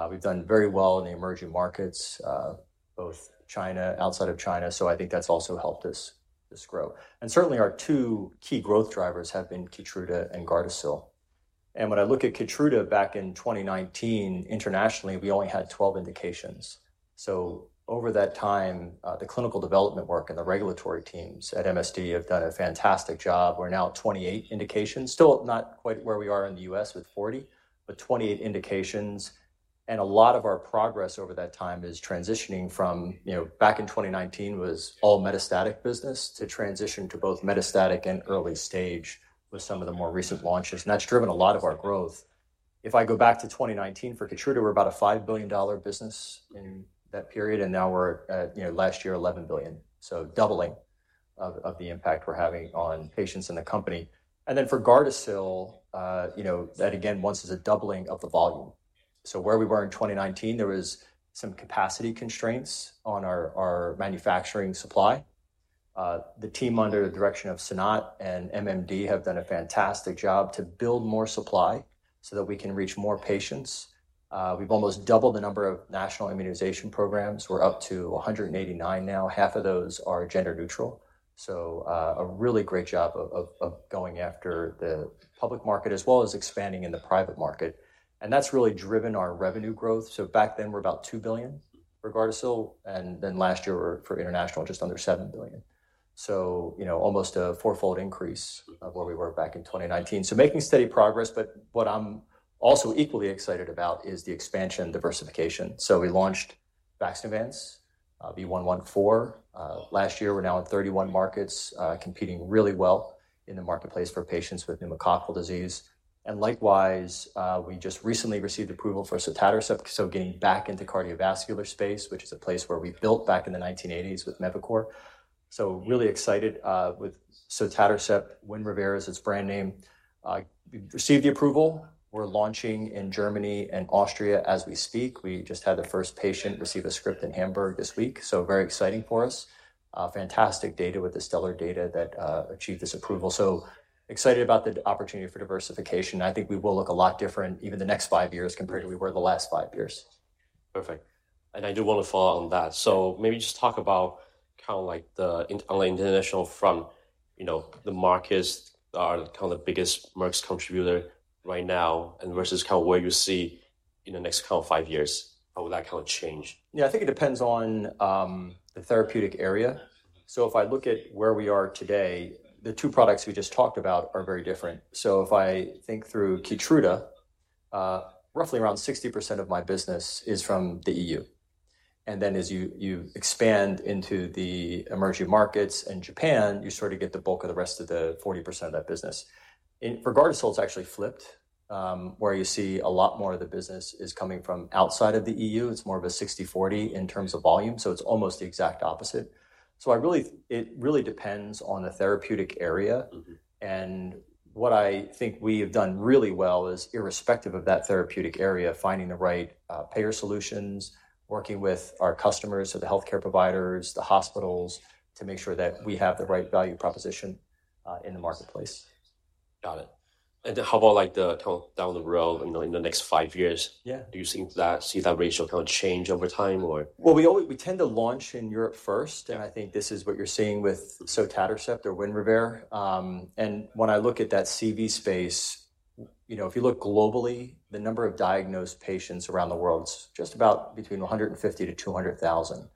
We've done very well in the emerging markets, both China, outside of China. So I think that's also helped us grow. And certainly, our two key growth drivers have been Keytruda and Gardasil. And when I look at Keytruda back in 2019, internationally, we only had 12 indications. So over that time, the clinical development work and the regulatory teams at MSD have done a fantastic job. We're now at 28 indications. Still not quite where we are in the US with 40, but 28 indications, and a lot of our progress over that time is transitioning from, you know, back in 2019 was all metastatic business to transition to both metastatic and early stage with some of the more recent launches, and that's driven a lot of our growth. If I go back to 2019 for Keytruda, we're about a $5 billion business in that period, and now we're at, you know, last year, $11 billion. So doubling of the impact we're having on patients in the company. And then for Gardasil, you know, that again, once is a doubling of the volume. So where we were in 2019, there was some capacity constraints on our manufacturing supply. The team, under the direction of Sanat and MMD, have done a fantastic job to build more supply so that we can reach more patients. We've almost doubled the number of national immunization programs. We're up to 189 now. Half of those are gender-neutral, so a really great job of going after the public market as well as expanding in the private market. And that's really driven our revenue growth. Back then, we're about $2 billion for Gardasil, and then last year for international, just under $7 billion. You know, almost a four-fold increase of where we were back in 2019. Making steady progress, but what I'm also equally excited about is the expansion and diversification. We launched Vaxneuvance, V114, last year. We're now in 31 markets, competing really well in the marketplace for patients with pneumococcal disease, and likewise, we just recently received approval for sotatercept, so getting back into cardiovascular space, which is a place where we built back in the 1980s with Mevacor, so really excited with sotatercept. Winrevair is its brand name. We've received the approval. We're launching in Germany and Austria as we speak. We just had the first patient receive a script in Hamburg this week, so very exciting for us. Fantastic data with the stellar data that achieved this approval, so excited about the opportunity for diversification. I think we will look a lot different even the next five years compared to we were the last five years. Perfect, and I do want to follow on that. So maybe just talk about kind of like the international front, you know, the markets are kind of the biggest Merck's contributor right now and versus kind of where you see in the next kind of five years. How will that kind of change? Yeah, I think it depends on the therapeutic area. So if I look at where we are today, the two products we just talked about are very different. So if I think through Keytruda, roughly around 60% of my business is from the EU. And then as you expand into the emerging markets and Japan, you sort of get the bulk of the rest of the 40% of that business. Regardless, it's actually flipped, where you see a lot more of the business is coming from outside of the EU. It's more of a 60/40 in terms of volume, so it's almost the exact opposite. So I really it really depends on the therapeutic area. Mm-hmm. What I think we have done really well is, irrespective of that therapeutic area, finding the right payer solutions, working with our customers, so the healthcare providers, the hospitals, to make sure that we have the right value proposition in the marketplace. Got it. And how about, like, the kind of, down the road, in the next five years? Yeah. Do you think that see that ratio kind of change over time, or? We always we tend to launch in Europe first, and I think this is what you're seeing with sotatercept or Winrevair. And when I look at that CV space, you know, if you look globally, the number of diagnosed patients around the world is just about between 150 and 200 thousand.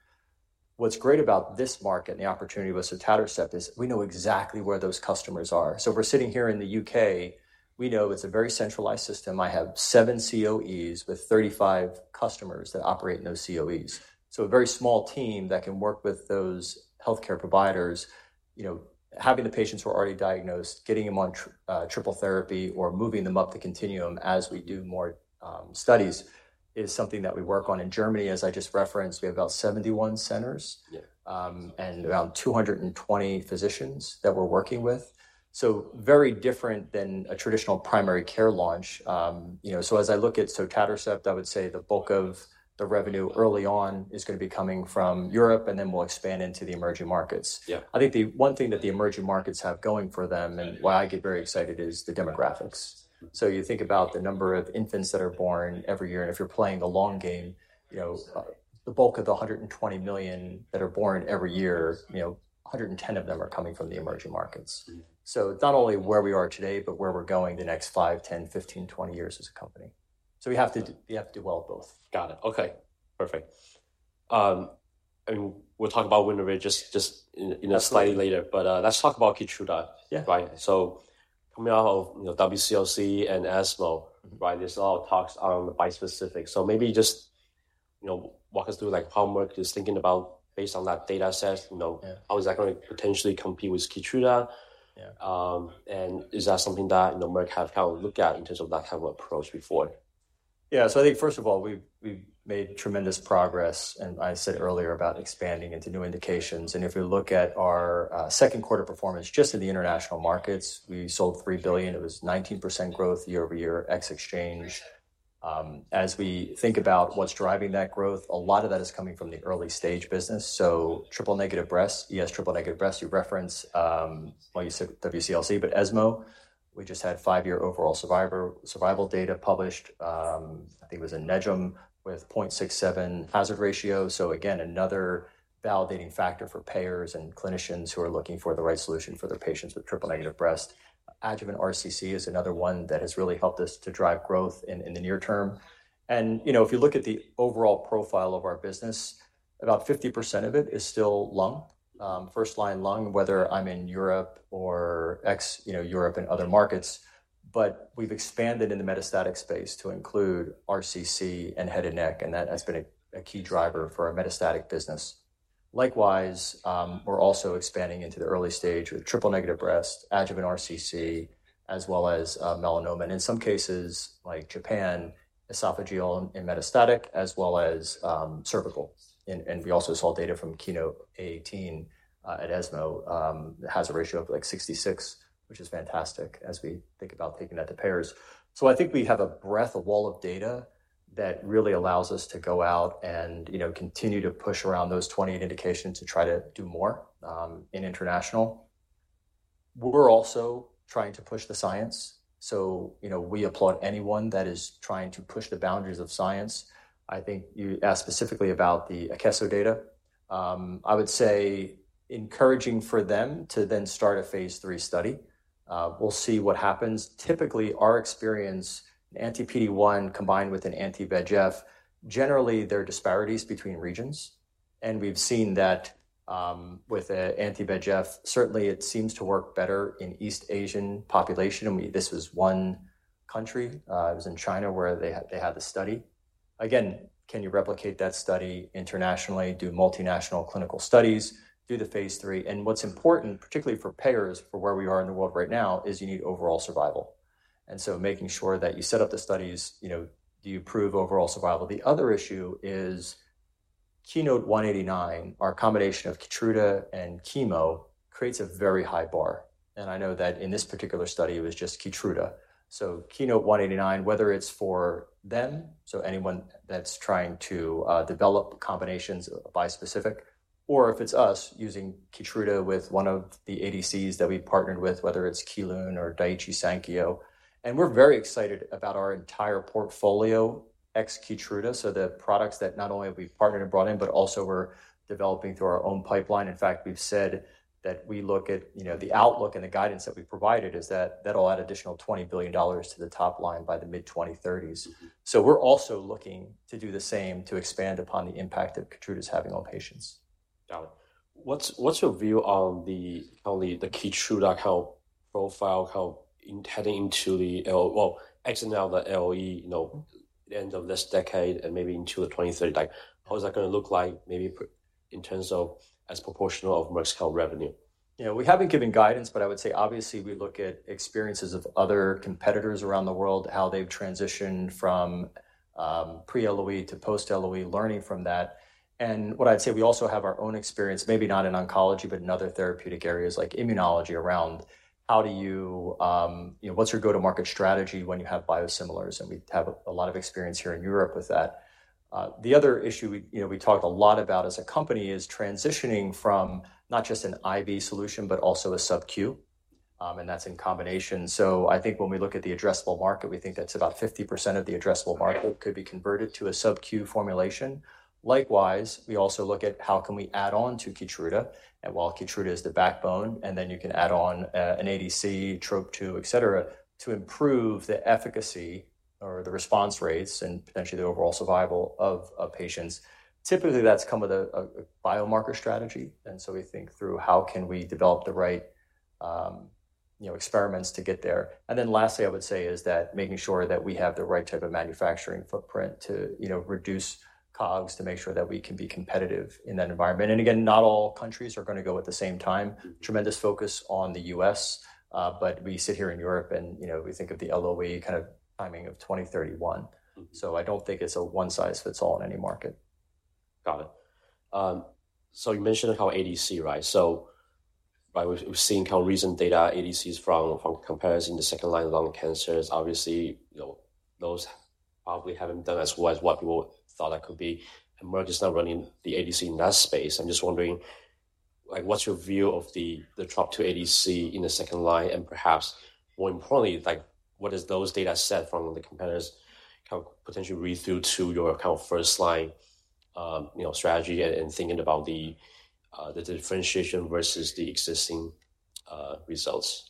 What's great about this market and the opportunity with sotatercept is we know exactly where those customers are. So if we're sitting here in the U.K., we know it's a very centralized system. I have seven COEs with 35 customers that operate in those COEs. So a very small team that can work with those healthcare providers. You know, having the patients who are already diagnosed, getting them on triple therapy or moving them up the continuum as we do more studies, is something that we work on. In Germany, as I just referenced, we have about 71 centers- Yeah. Around 220 physicians that we're working with. So very different than a traditional primary care launch. You know, so as I look at sotatercept, I would say the bulk of the revenue early on is gonna be coming from Europe, and then we'll expand into the emerging markets. Yeah. I think the one thing that the emerging markets have going for them, and why I get very excited, is the demographics. So you think about the number of infants that are born every year, and if you're playing the long game, you know, the bulk of the 120 million that are born every year, you know, 110 of them are coming from the emerging markets. Mm-hmm. It's not only where we are today, but where we're going the next five, 10, 15, 20 years as a company. We have to, we have to do well both. Got it. Okay, perfect. And we'll talk about Winrevair just, you know, slightly later, but let's talk about Keytruda. Yeah. Right. So coming out of, you know, WCLC and ESMO, right, there's a lot of talks on bispecific. So maybe just, you know, walk us through, like, how Merck is thinking about, based on that data set, you know- Yeah... how is that gonna potentially compete with Keytruda? Yeah. and is that something that, you know, Merck have, kind of, looked at in terms of that type of approach before? Yeah. So I think, first of all, we've made tremendous progress, and I said earlier about expanding into new indications. And if we look at our second quarter performance, just in the international markets, we sold $3 billion. It was 19% growth year over year, ex exchange. As we think about what's driving that growth, a lot of that is coming from the early-stage business. So triple-negative breast, yes, triple-negative breast, you referenced, well, you said WCLC, but ESMO, we just had 5-year overall survival data published. I think it was in NEJM with 0.67 hazard ratio. So again, another validating factor for payers and clinicians who are looking for the right solution for their patients with triple-negative breast. Adjuvant RCC is another one that has really helped us to drive growth in the near term. You know, if you look at the overall profile of our business, about 50% of it is still lung, first-line lung, whether I'm in Europe or ex, you know, Europe and other markets. But we've expanded in the metastatic space to include RCC and head and neck, and that has been a key driver for our metastatic business. Likewise, we're also expanding into the early stage with triple-negative breast, adjuvant RCC, as well as melanoma, and in some cases like Japan, esophageal and metastatic, as well as cervical. We also saw data from KEYNOTE-018 at ESMO that has a ratio of, like, 66, which is fantastic as we think about taking that to payers. So I think we have a breadth, a wall of data that really allows us to go out and, you know, continue to push around those 28 indications to try to do more in international. We're also trying to push the science, so, you know, we applaud anyone that is trying to push the boundaries of science. I think you asked specifically about the Akeso data. I would say encouraging for them to then start a phase III study. We'll see what happens. Typically, our experience, an anti-PD-1 combined with an anti-VEGF, generally, there are disparities between regions, and we've seen that with an anti-VEGF. Certainly, it seems to work better in East Asian population, and we, this was one country, it was in China, where they had the study. Again, can you replicate that study internationally, do multinational clinical studies, do the phase III? And what's important, particularly for payers, for where we are in the world right now, is you need overall survival. And so making sure that you set up the studies, you know, do you prove overall survival? The other issue is KEYNOTE-189, our combination of Keytruda and chemo, creates a very high bar, and I know that in this particular study, it was just Keytruda. So KEYNOTE-189, whether it's for them, so anyone that's trying to develop combinations of bispecific, or if it's us using Keytruda with one of the ADCs that we've partnered with, whether it's Kelun or Daiichi Sankyo. We're very excited about our entire portfolio, ex Keytruda, so the products that not only have we partnered and brought in, but also we're developing through our own pipeline. In fact, we've said that we look at, you know, the outlook and the guidance that we provided is that that'll add additional $20 billion to the top line by the mid-2030s. We're also looking to do the same to expand upon the impact that Keytruda is having on patients. Got it. What's your view on the Keytruda, like, health profile heading into the LOE, well, exiting out the LOE, you know, the end of this decade and maybe into the twenty thirty, like, what is that gonna look like maybe in terms of as proportional of Merck's health revenue? Yeah, we haven't given guidance, but I would say obviously, we look at experiences of other competitors around the world, how they've transitioned from pre-LOE to post-LOE, learning from that. And what I'd say, we also have our own experience, maybe not in oncology, but in other therapeutic areas like immunology, around how do you, You know, what's your go-to-market strategy when you have biosimilars? And we have a lot of experience here in Europe with that. The other issue we, you know, we talked a lot about as a company is transitioning from not just an IV solution, but also a subQ, and that's in combination. So I think when we look at the addressable market, we think that's about 50% of the addressable market could be converted to a subQ formulation. Likewise, we also look at how can we add on to Keytruda, and while Keytruda is the backbone, and then you can add on, an ADC, Trop2, et cetera, to improve the efficacy or the response rates and potentially the overall survival of patients. Typically, that's come with a biomarker strategy, and so we think through how can we develop the right, you know, experiments to get there. And then lastly, I would say, is that making sure that we have the right type of manufacturing footprint to, you know, reduce COGS to make sure that we can be competitive in that environment. And again, not all countries are gonna go at the same time. Tremendous focus on the U.S., but we sit here in Europe and, you know, we think of the LOE kind of timing of twenty thirty-one. Mm-hmm. So I don't think it's a one-size-fits-all in any market. Got it. So you mentioned how ADC, right? So we've seen how recent data ADCs from comparison to second line lung cancers. Obviously, you know, those probably haven't done as well as what people thought that could be, and Merck is now running the ADC in that space. I'm just wondering, like, what's your view of the Trop2 ADC in the second line? And perhaps more importantly, like, what is those data set from the competitors kind of potentially read through to your kind of first line strategy and thinking about the differentiation versus the existing results?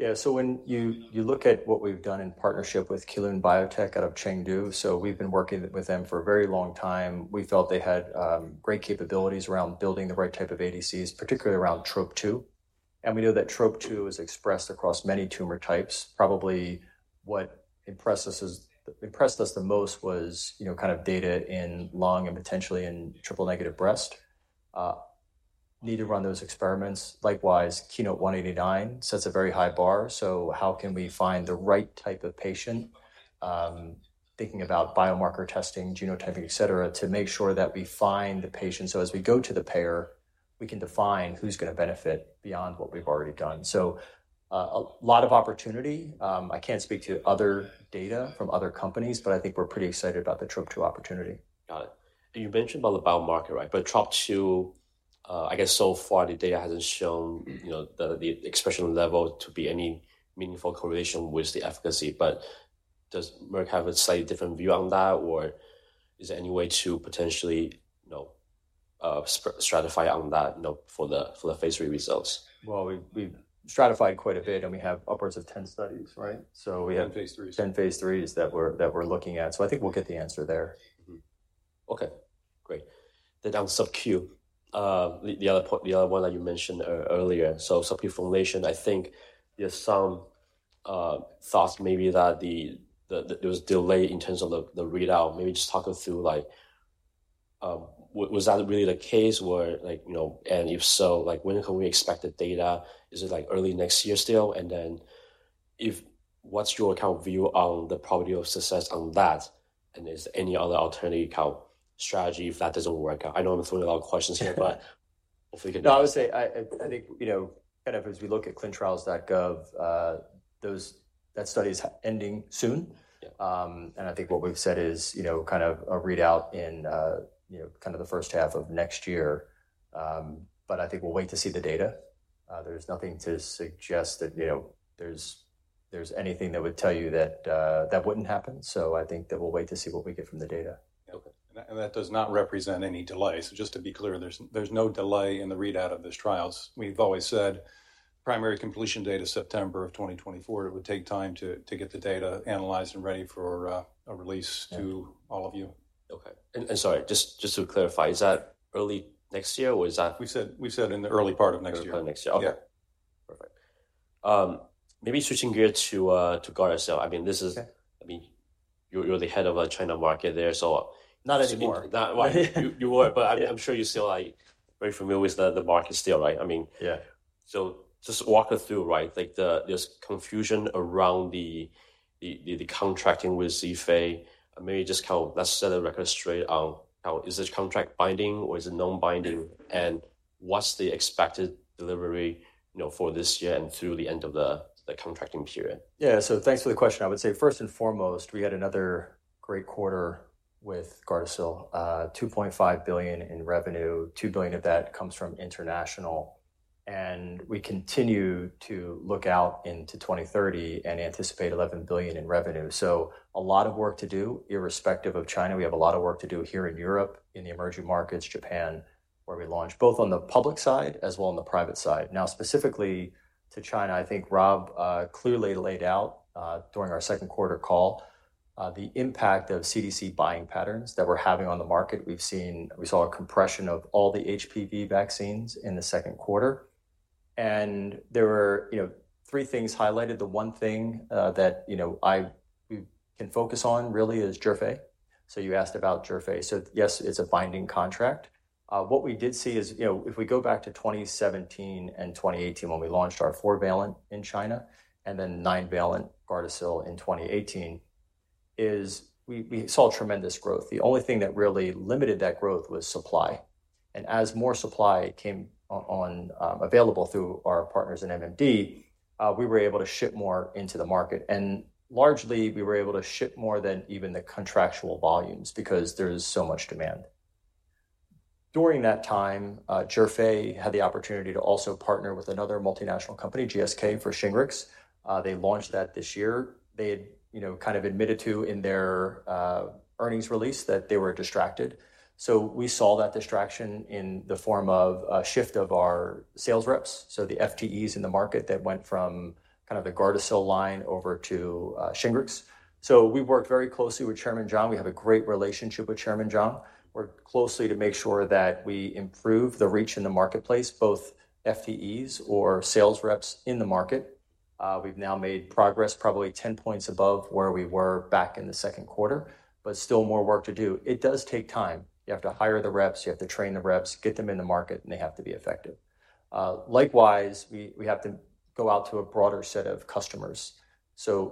Yeah. So when you look at what we've done in partnership with Kelun-Biotech out of Chengdu, so we've been working with them for a very long time. We felt they had great capabilities around building the right type of ADCs, particularly around Trop2. And we know that Trop2 is expressed across many tumor types. Probably what impressed us the most was, you know, kind of data in lung and potentially in triple-negative breast. Need to run those experiments. Likewise, KEYNOTE-189 sets a very high bar, so how can we find the right type of patient, thinking about biomarker testing, genotyping, et cetera, to make sure that we find the patient. So as we go to the payer, we can define who's gonna benefit beyond what we've already done. So a lot of opportunity. I can't speak to other data from other companies, but I think we're pretty excited about the Trop2 opportunity. Got it. And you mentioned about the biomarker, right? But Trop2, I guess so far the data hasn't shown, you know, the expression level to be any meaningful correlation with the efficacy. But does Merck have a slightly different view on that, or is there any way to potentially, you know, stratify on that note for the phase three results? We've stratified quite a bit, and we have upwards of 10 studies, right? So we have- 10 phase threes. 10 phase threes that we're looking at. So I think we'll get the answer there. Mm-hmm. Okay, great. Then on subQ, the other one that you mentioned earlier. So subQ formulation, I think there's some thoughts maybe that there was delay in terms of the readout. Maybe just talk us through like, was that really the case where like, you know... And if so, like, when can we expect the data? Is it like early next year still? And then if what's your kind of view on the probability of success on that, and is there any other alternative kind of strategy if that doesn't work out? I know I'm throwing a lot of questions here, but if we could- No, I would say I think, you know, kind of as we look at ClinicalTrials.gov, that study is ending soon. Yeah. And I think what we've said is, you know, kind of a readout in, you know, kind of the first half of next year. But I think we'll wait to see the data. There's nothing to suggest that, you know, there's anything that would tell you that that wouldn't happen. So I think that we'll wait to see what we get from the data. Okay. That does not represent any delay. Just to be clear, there's no delay in the readout of those trials. We've always said primary completion date is September of 2024. It would take time to get the data analyzed and ready for a release to all of you. Okay. And sorry, just to clarify, is that early next year, or is that- We said in the early part of next year. Early next year. Yeah. Perfect. Maybe switching gears to Gardasil. I mean, this is- Okay. I mean, you're the head of our China market there, so- Not anymore. Well, you were, but I'm sure you're still, like, very familiar with the market still, right? I mean- Yeah. So just walk us through, right, like this confusion around the contracting with Zhifei. Maybe just kind of let's set the record straight on how is this contract binding or is it non-binding, and what's the expected delivery, you know, for this year and through the end of the contracting period? Yeah. So thanks for the question. I would say, first and foremost, we had another great quarter with Gardasil, $2.5 billion in revenue, $2 billion of that comes from international, and we continue to look out into 2030 and anticipate $11 billion in revenue. So a lot of work to do irrespective of China. We have a lot of work to do here in Europe, in the emerging markets, Japan, where we launched, both on the public side as well on the private side. Now, specifically to China, I think Rob clearly laid out during our second quarter call the impact of CDC buying patterns that we're having on the market. We saw a compression of all the HPV vaccines in the second quarter, and there were, you know, three things highlighted. The one thing that, you know, I, we can focus on really is Zhifei so you asked about Zhifei so yes, it's a binding contract. What we did see is, you know, if we go back to 2017 and 2018, when we launched our four-valent in China, and then nine-valent Gardasil in 2018, is we, we saw tremendous growth. The only thing that really limited that growth was supply. And as more supply came on, available through our partners in MMD, we were able to ship more into the market, and largely, we were able to ship more than even the contractual volumes because there's so much demand. During that time, Zhifei had the opportunity to also partner with another multinational company, GSK, for Shingrix. They launched that this year. They had, you know, kind of admitted to in their earnings release that they were distracted. So we saw that distraction in the form of a shift of our sales reps. So the FTEs in the market that went from kind of the Gardasil line over to Shingrix. So we've worked very closely with Chairman Jiang. We have a great relationship with Chairman Jiang. Worked closely to make sure that we improve the reach in the marketplace, both FTEs or sales reps in the market. We've now made progress probably 10 points above where we were back in the second quarter, but still more work to do. It does take time. You have to hire the reps, you have to train the reps, get them in the market, and they have to be effective. Likewise, we have to go out to a broader set of customers.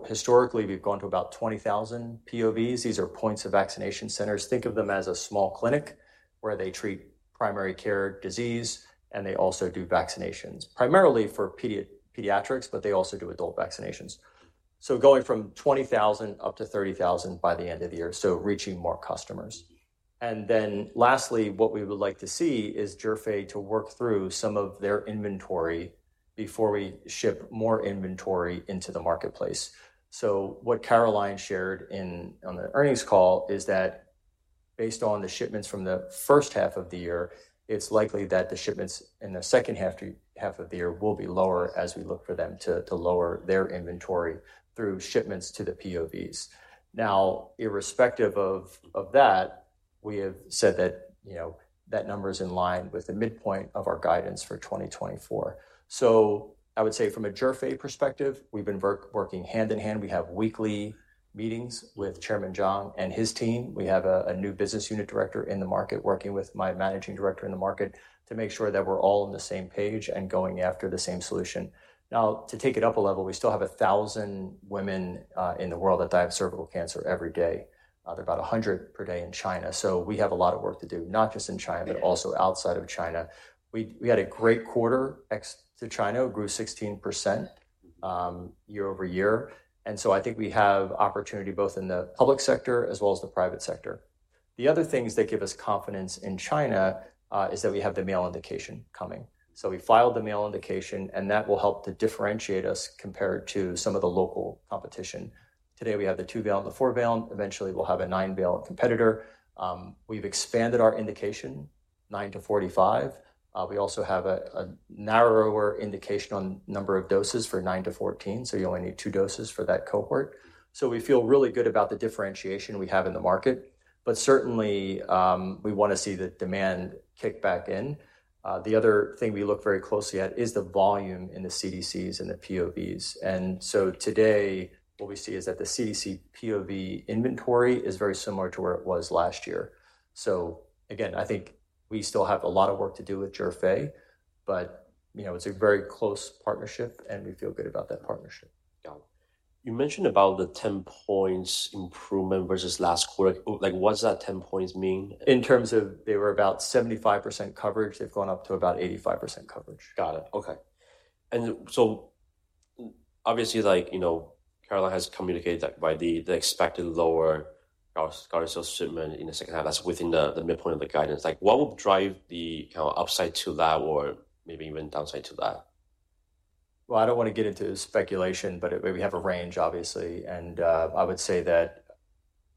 Historically, we've gone to about 20,000 POVs. These are points of vaccination centers. Think of them as a small clinic where they treat primary care disease, and they also do vaccinations, primarily for pediatrics, but they also do adult vaccinations. So going from 20,000 up to 30,000 by the end of the year, so reaching more customers. And then lastly, what we would like to see is Zhifei to work through some of their inventory before we ship more inventory into the marketplace. So what Caroline shared in on the earnings call is that based on the shipments from the first half of the year, it's likely that the shipments in the second half of the year will be lower as we look for them to lower their inventory through shipments to the POVs. Now, irrespective of that, we have said that, you know, that number is in line with the midpoint of our guidance for twenty twenty-four. So I would say from a Zhifei perspective, we've been working hand in hand. We have weekly meetings with Chairman Zhang and his team. We have a new business unit director in the market, working with my managing director in the market, to make sure that we're all on the same page and going after the same solution. Now, to take it up a level, we still have 1,000 women in the world that die of cervical cancer every day. They're about 100 per day in China, so we have a lot of work to do, not just in China, but also outside of China. We had a great quarter. Ex-China grew 16% year over year, and so I think we have opportunity both in the public sector as well as the private sector. The other things that give us confidence in China is that we have the male indication coming. So we filed the male indication, and that will help to differentiate us compared to some of the local competition. Today, we have the 2-valent and the 4-valent. Eventually, we'll have a 9-valent competitor. We've expanded our indication, 9 to 45. We also have a narrower indication on number of doses for nine to fourteen, so you only need two doses for that cohort. So we feel really good about the differentiation we have in the market, but certainly, we wanna see the demand kick back in. The other thing we look very closely at is the volume in the CDCs and the POVs. And so today, what we see is that the CDC POV inventory is very similar to where it was last year. So again, I think we still have a lot of work to do with Zhifei, but you know, it is a very close partnership, and we feel good about that partnership. Got it. You mentioned about the 10 points improvement versus last quarter. Like, what does that 10 points mean? In terms of they were about 75% coverage, they've gone up to about 85% coverage. Got it. Okay. And so obviously, like, you know, Caroline has communicated that by the expected lower Gardasil shipment in the second half, that's within the midpoint of the guidance. Like, what would drive the kind of upside to that or maybe even downside to that? I don't want to get into speculation, but we have a range, obviously, and I would say that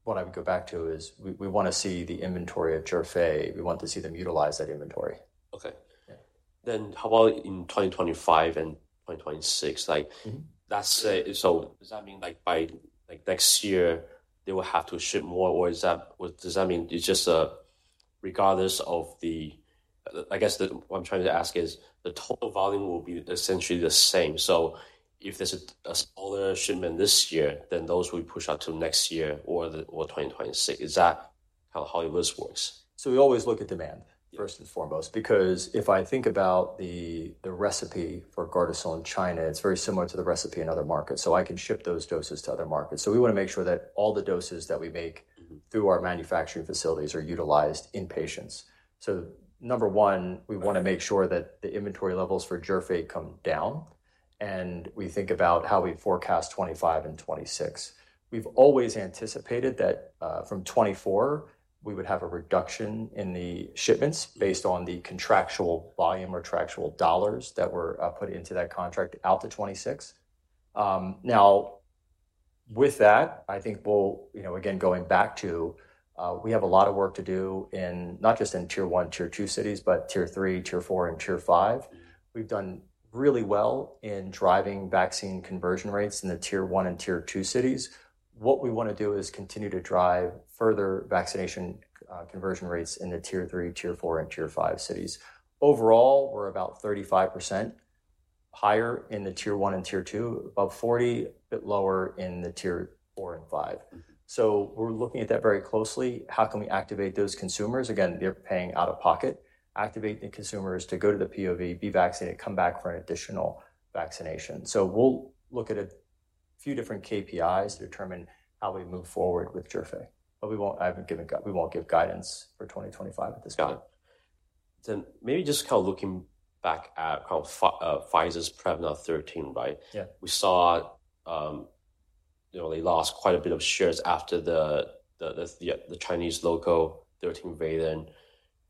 what I would go back to is we wanna see the inventory of Zhifei. We want to see them utilize that inventory. Okay. Yeah. Then how about in 2025 and 2026? Mm-hmm. That's so does that mean, like, by, like, next year, they will have to ship more, or is that, does that mean it's just, regardless of the... I guess what I'm trying to ask is, the total volume will be essentially the same. So if there's a smaller shipment this year, then those will be pushed out to next year or the, or twenty twenty-six. Is that how this works? So we always look at demand- Yeah ... first and foremost, because if I think about the recipe for Gardasil in China, it's very similar to the recipe in other markets, so I can ship those doses to other markets. So we wanna make sure that all the doses that we make- Mm-hmm through our manufacturing facilities are utilized in patients. So number one, we wanna make sure that the inventory levels for Zhifei come down, and we think about how we forecast 2025 and 2026. We've always anticipated that, from 2024, we would have a reduction in the shipments based on the contractual volume or contractual dollars that were put into that contract out to 2026. Now, with that, I think we'll, you know, again, going back to, we have a lot of work to do in, not just in tier one, tier two cities, but tier three, tier four, and tier five. We've done really well in driving vaccine conversion rates in the tier one and tier two cities. What we wanna do is continue to drive further vaccination conversion rates in the tier three, tier four, and tier five cities. Overall, we're about 35% higher in the Tier one and Tier two, about 40, a bit lower in the Tier four and five. Mm-hmm. We're looking at that very closely. How can we activate those consumers? Again, they're paying out of pocket. Activate the consumers to go to the POV, be vaccinated, come back for an additional vaccination. We'll look at a few different KPIs to determine how we move forward with Gardasil, but we won't give guidance for 2025 at this point. Got it. Then maybe just kind of looking back at kind of, Pfizer's Prevnar 13, right? Yeah. We saw, you know, they lost quite a bit of shares after the Chinese local 13-valent,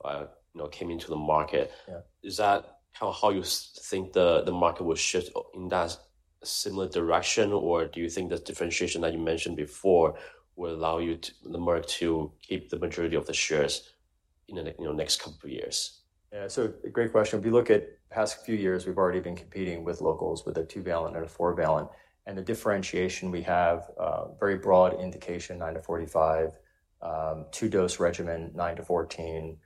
you know, came into the market. Yeah. Is that how you think the market will shift in that similar direction? Or do you think the differentiation that you mentioned before will allow the market to keep the majority of the shares in the, you know, next couple of years? Yeah, so great question. If you look at the past few years, we've already been competing with locals with a 2-valent and a 4-valent. And the differentiation we have, very broad indication, nine to forty-five, two dose regimen, nine to fourteen,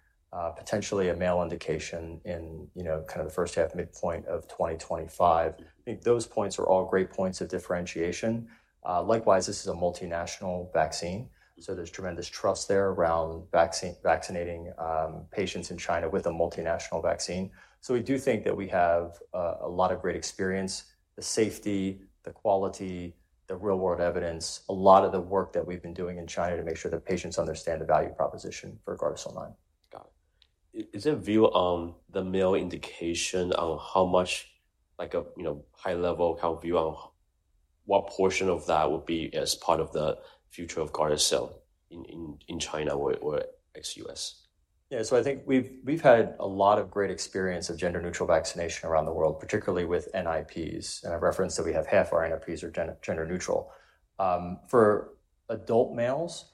potentially a male indication in, you know, kind of the first half midpoint of twenty twenty-five. I think those points are all great points of differentiation. Likewise, this is a multinational vaccine, so there's tremendous trust there around vaccine, vaccinating, patients in China with a multinational vaccine. We do think that we have, a lot of great experience, the safety, the quality, the real-world evidence, a lot of the work that we've been doing in China to make sure that patients understand the value proposition for Gardasil Nine. Got it. Is there a view on the male indication on how much, like a, you know, high level, how we view on what portion of that would be as part of the future of Gardasil in China or ex-US? Yeah. So I think we've had a lot of great experience of gender-neutral vaccination around the world, particularly with NIPs, and I've referenced that we have half our NIPs are gender-neutral. For adult males,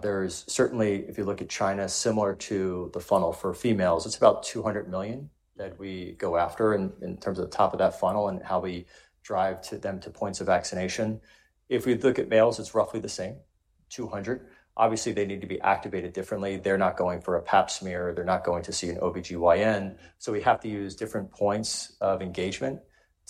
there's certainly, if you look at China, similar to the funnel for females, it's about two hundred million that we go after in terms of the top of that funnel and how we drive to them to points of vaccination. If we look at males, it's roughly the same, two hundred. Obviously, they need to be activated differently. They're not going for a pap smear. They're not going to see an OBGYN. So we have to use different points of engagement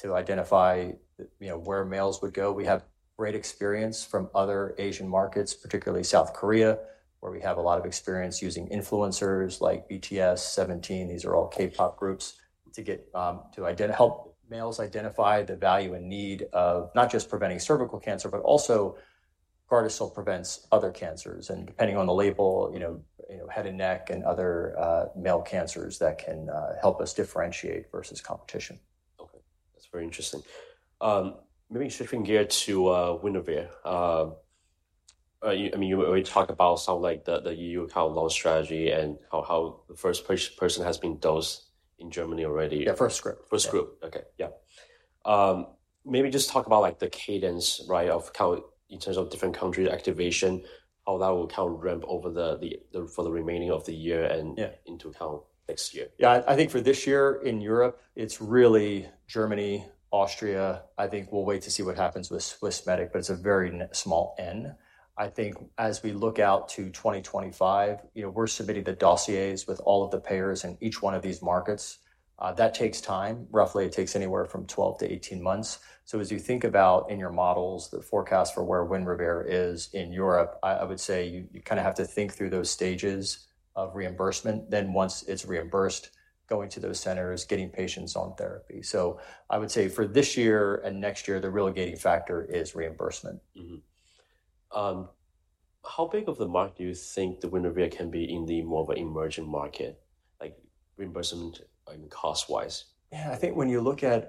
to identify, you know, where males would go. We have great experience from other Asian markets, particularly South Korea, where we have a lot of experience using influencers like BTS, Seventeen, these are all K-pop groups, to get to help males identify the value and need of not just preventing cervical cancer, but also Gardasil prevents other cancers, and depending on the label, you know, head and neck and other male cancers that can help us differentiate versus competition. Okay. That's very interesting. Maybe shifting gear to Winrevair. You, I mean, you already talked about some like the EU kind of launch strategy and how the first patient has been dosed in Germany already. Yeah, first group. First group. Okay. Yeah. Maybe just talk about, like, the cadence, right, of how, in terms of different country activation, how that will kind of ramp over the, for the remaining of the year and- Yeah into kind of next year. Yeah, I think for this year in Europe, it's really Germany, Austria. I think we'll wait to see what happens with Swissmedic, but it's a very small n. I think as we look out to 2025, you know, we're submitting the dossiers with all of the payers in each one of these markets. That takes time. Roughly, it takes anywhere from 12-18 months. So as you think about in your models, the forecast for where Winrevair is in Europe, I would say you kinda have to think through those stages of reimbursement. Then once it's reimbursed, going to those centers, getting patients on therapy. So I would say for this year and next year, the real gating factor is reimbursement. Mm-hmm. How big of the market do you think the Winrevair can be in the more of an emerging market, like reimbursement and cost-wise? Yeah, I think when you look at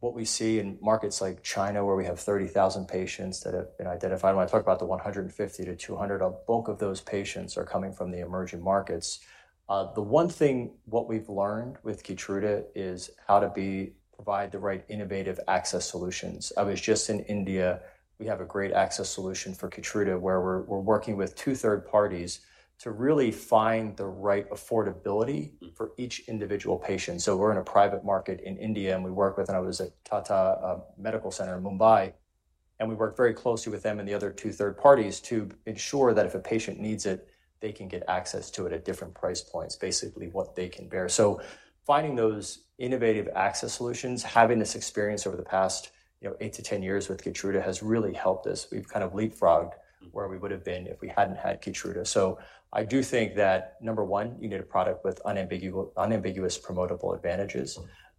what we see in markets like China, where we have 30,000 patients that have been identified, when I talk about the 150 to 200, a bulk of those patients are coming from the emerging markets. The one thing, what we've learned with Keytruda is how to provide the right innovative access solutions. I was just in India. We have a great access solution for Keytruda, where we're working with two third parties to really find the right affordability- Mm-hmm For each individual patient. So we're in a private market in India, and we work with... And I was at Tata Memorial Center in Mumbai, and we work very closely with them and the other two third parties to ensure that if a patient needs it, they can get access to it at different price points, basically what they can bear. So finding those innovative access solutions, having this experience over the past, you know, eight to 10 years with Keytruda has really helped us. We've kind of leapfrogged- Mm-hmm where we would have been if we hadn't had Keytruda. So I do think that, number one, you need a product with unambiguous promotable advantages.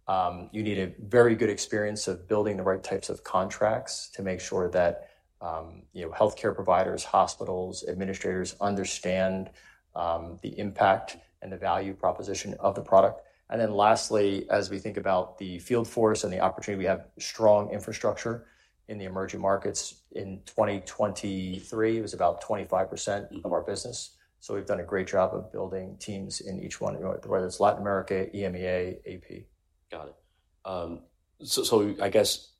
You need a very good experience of building the right types of contracts to make sure that, you know, healthcare providers, hospitals, administrators, understand the impact and the value proposition of the product. And then lastly, as we think about the field force and the opportunity, we have strong infrastructure in the emerging markets. In 2023, it was about 25%. Mm-hmm of our business. So we've done a great job of building teams in each one, whether it's Latin America, EMEA, AP. Got it. So, I guess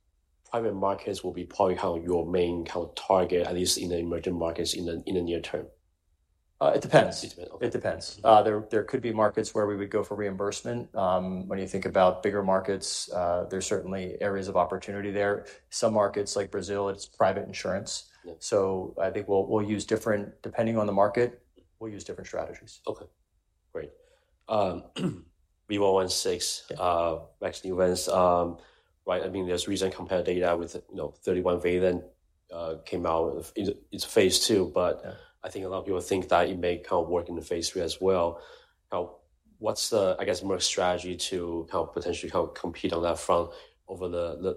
private markets will be probably how your main kind of target, at least in the emerging markets, in the near term? ... It depends. It depends. It depends. There could be markets where we would go for reimbursement. When you think about bigger markets, there's certainly areas of opportunity there. Some markets like Brazil, it's private insurance. Yeah. So I think, depending on the market, we'll use different strategies. Okay, great. V116, Vaxneuvance, right? I mean, there's recent comparative data with, you know, 31-valent, came out. It's phase two, but- Yeah ... I think a lot of people think that it may kind of work in the phase three as well. What's the, I guess, Merck strategy to help potentially compete on that front over the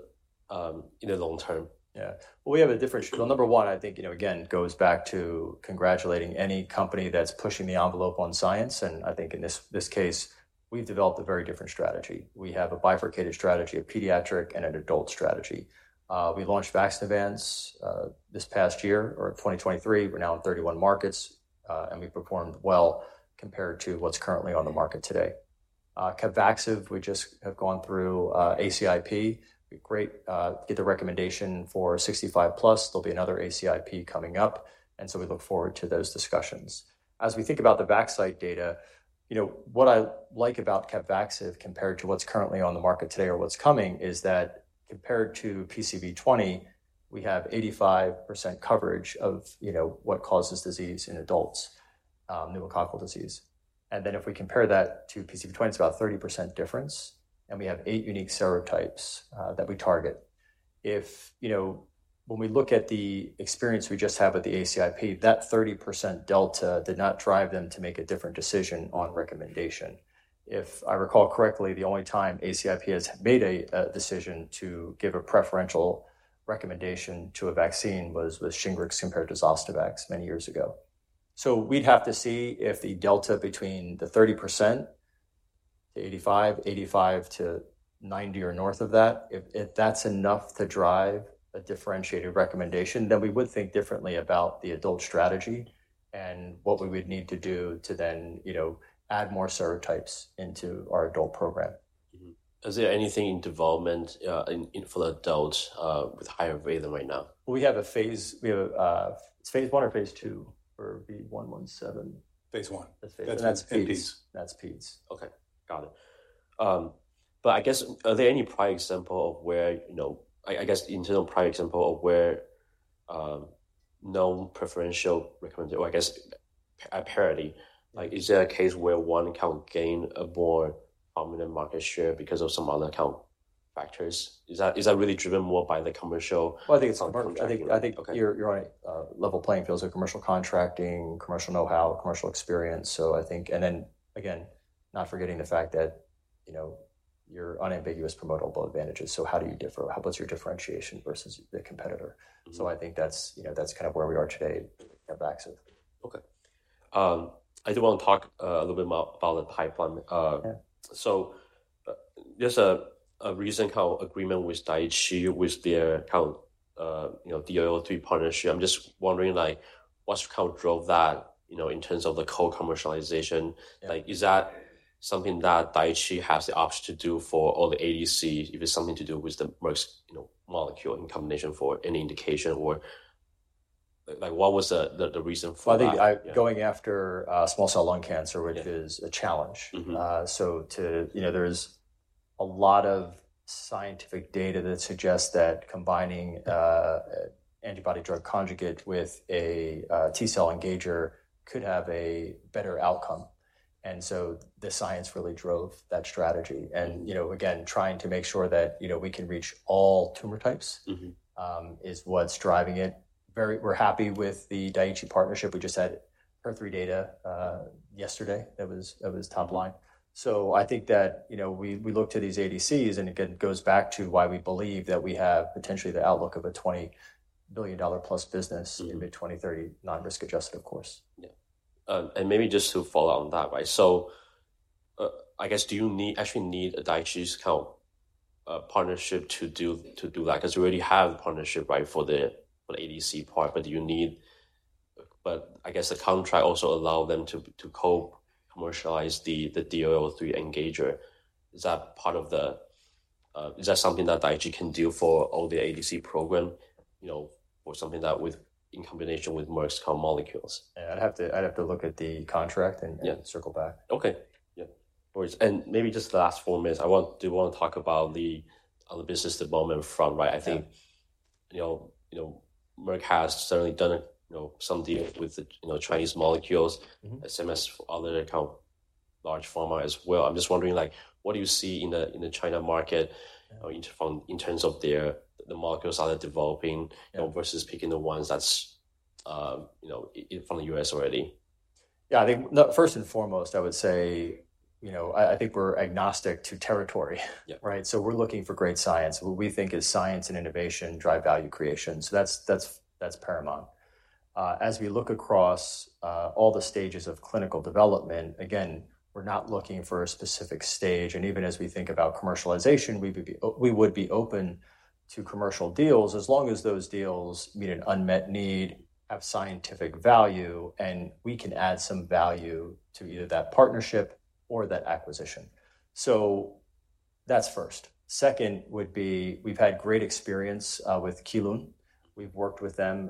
long term? Yeah. We have a different. Number one, I think, you know, again, goes back to congratulating any company that's pushing the envelope on science, and I think in this case, we've developed a very different strategy. We have a bifurcated strategy, a pediatric and an adult strategy. We launched Vaxneuvance this past year or in 2023. We're now in 31 markets, and we've performed well compared to what's currently on the market today. Capvaxive, we just have gone through ACIP. We got the recommendation for 65+. There'll be another ACIP coming up, and so we look forward to those discussions. As we think about the Vaxcyte data, you know, what I like about Capvaxive compared to what's currently on the market today or what's coming, is that compared to PCV20, we have 85% coverage of, you know, what causes disease in adults, pneumococcal disease. And then if we compare that to PCV20, it's about 30% difference, and we have 8 unique serotypes that we target. If, you know, when we look at the experience we just had with the ACIP, that 30% delta did not drive them to make a different decision on recommendation. If I recall correctly, the only time ACIP has made a decision to give a preferential recommendation to a vaccine was with Shingrix compared to Zostavax many years ago. We'd have to see if the delta between the 30% to 85%, 85% to 90% or north of that, if that's enough to drive a differentiated recommendation. Then we would think differently about the adult strategy and what we would need to do to then, you know, add more serotypes into our adult program. Mm-hmm. Is there anything in development for the adults with higher value than right now? We have, it's phase one or phase two for V117. Phase one. That's phase. That's peds. That's peds. Okay, got it. But I guess, are there any prior example of where, you know... I guess internal prior example of where, no preferential recommendation or I guess a parity, like is there a case where one account gained a more dominant market share because of some other account factors? Is that really driven more by the commercial- I think it's commercial. I think. Okay. You're on a level playing field, so commercial contracting, commercial know-how, commercial experience. So I think... And then again, not forgetting the fact that, you know, you're unambiguous promotable advantages, so how do you differ? How about your differentiation versus the competitor? Mm-hmm. I think that's, you know, that's kind of where we are today at Vaxiv. Okay. I do want to talk a little bit more about the pipeline. Yeah. There's a recent co agreement with Daiichi, with their account, you know, HER3 partnership. I'm just wondering, like, what account drove that, you know, in terms of the co commercialization? Yeah. Like, is that something that Daiichi has the option to do for all the ADCs? If it's something to do with the Merck's, you know, molecule in combination for any indication, or like, what was the reason for that? I think I... going after small cell lung cancer- Yeah... which is a challenge. Mm-hmm. So, you know, there's a lot of scientific data that suggests that combining an antibody-drug conjugate with a T-cell engager could have a better outcome. And so the science really drove that strategy. And, you know, again, trying to make sure that, you know, we can reach all tumor types- Mm-hmm... is what's driving it. We're happy with the Daiichi partnership. We just had HER3 data yesterday. That was top line. So I think that, you know, we look to these ADCs, and again, it goes back to why we believe that we have potentially the outlook of a 20 billion dollar plus business- Mm-hmm... in mid-2030, non-risk adjusted, of course. Yeah. And maybe just to follow on that, right? So, I guess, do you need, actually need Daiichi's oncology partnership to do that? 'Cause you already have a partnership, right, for the ADC part, but do you need? But I guess the contract also allow them to co-commercialize the, the DXd engager. Is that part of the? Is that something that Daiichi can do for all the ADC program, you know, or something that with, in combination with Merck's oncology molecules? I'd have to look at the contract and- Yeah... circle back. Okay. Yeah. And maybe just the last four minutes, I want to talk about the business development front, right? Yeah. I think, you know, Merck has certainly done a, you know, some deal with the, you know, Chinese molecules- Mm-hmm... same as other kind of large pharma as well. I'm just wondering, like, what do you see in the China market or in terms of their, the molecules are developing, you know, versus picking the ones that's, you know, from the US already? Yeah, I think the first and foremost, I would say, you know, I think we're agnostic to territory. Yeah. Right? So we're looking for great science. What we think is science and innovation drive value creation. So that's, that's, that's paramount. As we look across all the stages of clinical development, again, we're not looking for a specific stage, and even as we think about commercialization, we would be, we would be open to commercial deals, as long as those deals meet an unmet need, have scientific value, and we can add some value to either that partnership or that acquisition. So that's first. Second would be, we've had great experience with Kelun. We've worked with them,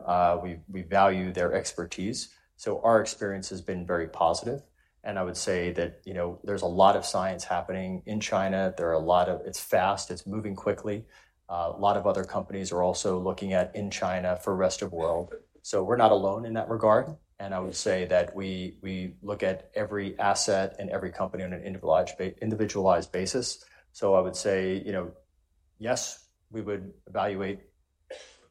we value their expertise, so our experience has been very positive. And I would say that, you know, there's a lot of science happening in China. There are a lot of. It's fast, it's moving quickly. A lot of other companies are also looking at in China for rest of world. So we're not alone in that regard, and I would say that we look at every asset and every company on an individualized basis. So I would say, you know, yes, we would evaluate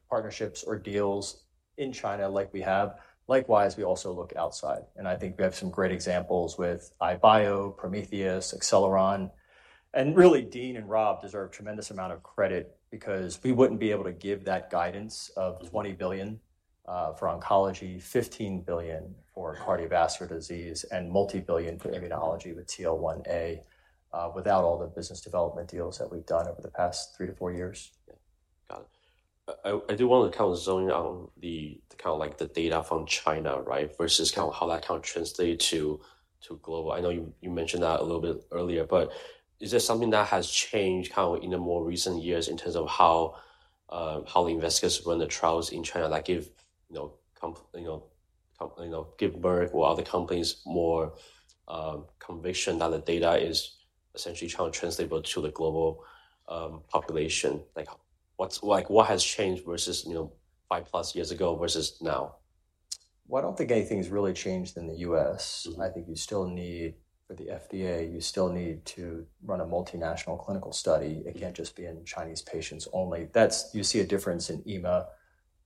partnerships or deals in China like we have. Likewise, we also look outside, and I think we have some great examples with EyeBio, Prometheus, Acceleron. Really, Dean and Rob deserve a tremendous amount of credit because we wouldn't be able to give that guidance of $20 billion for oncology, $15 billion for cardiovascular disease, and multi-billion for immunology with TL1A without all the business development deals that we've done over the past three to four years. Yeah. Got it. I do want to kind of zone in on the kind of like the data from China, right? Versus kind of how that kind of translate to global. I know you mentioned that a little bit earlier, but is there something that has changed kind of in the more recent years in terms of how the investigators run the trials in China, like, you know, give Merck or other companies more conviction that the data is essentially truly translatable to the global population? Like, what has changed versus, you know, five plus years ago versus now? I don't think anything's really changed in the U.S. Mm-hmm. I think you still need, for the FDA, you still need to run a multinational clinical study. It can't just be in Chinese patients only. That's. You see a difference in EMA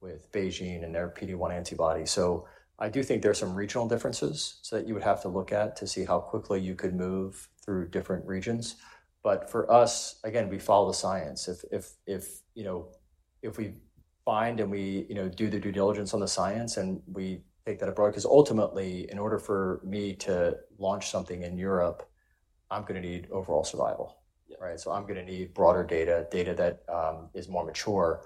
with BeiGene and their PD-1 antibody. So I do think there are some regional differences that you would have to look at to see how quickly you could move through different regions. But for us, again, we follow the science. If you know, if we find and we, you know, do the due diligence on the science and we take that abroad. Because ultimately, in order for me to launch something in Europe, I'm gonna need overall survival. Yeah. Right? So I'm gonna need broader data, data that is more mature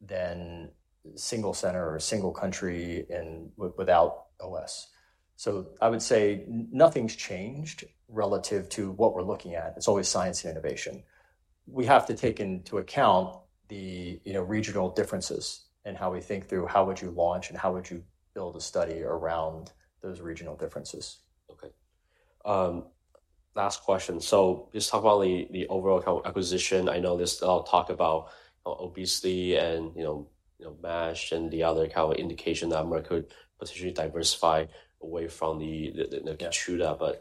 than single center or single country and with, without OS. So I would say nothing's changed relative to what we're looking at. It's always science and innovation. We have to take into account the, you know, regional differences and how we think through how would you launch and how would you build a study around those regional differences. Okay. Last question. So just talk about the overall acquisition. I know this, I'll talk about obesity and, you know, mesh and the other kind of indication that Merck could potentially diversify away from the Keytruda. Yeah.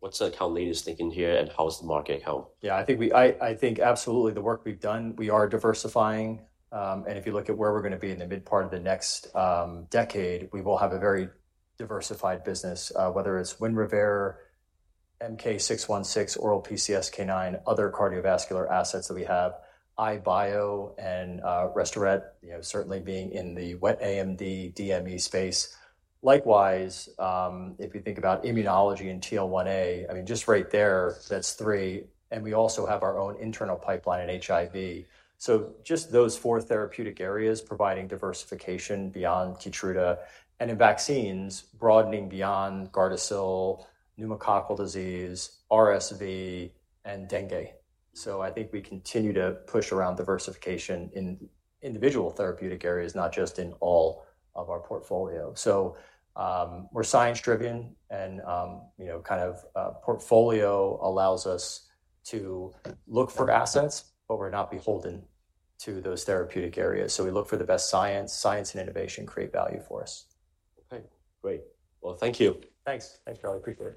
What's the kind of latest thinking here, and how is the market help? Yeah, I think absolutely the work we've done, we are diversifying. And if you look at where we're gonna be in the mid part of the next decade, we will have a very diversified business, whether it's Winrevair, MK-0616, oral PCSK9, other cardiovascular assets that we have, EyeBio and Restoret, you know, certainly being in the wet AMD DME space. Likewise, if you think about immunology and TL1A, I mean, just right there, that's three, and we also have our own internal pipeline in HIV. So just those four therapeutic areas providing diversification beyond Keytruda, and in vaccines, broadening beyond Gardasil, pneumococcal disease, RSV, and dengue. So I think we continue to push around diversification in individual therapeutic areas, not just in all of our portfolio. So, we're science-driven and, you know, kind of, portfolio allows us to look for assets, but we're not beholden to those therapeutic areas. So we look for the best science. Science and innovation create value for us. Okay, great. Thank you. Thanks. Thanks, Charlie. I appreciate it.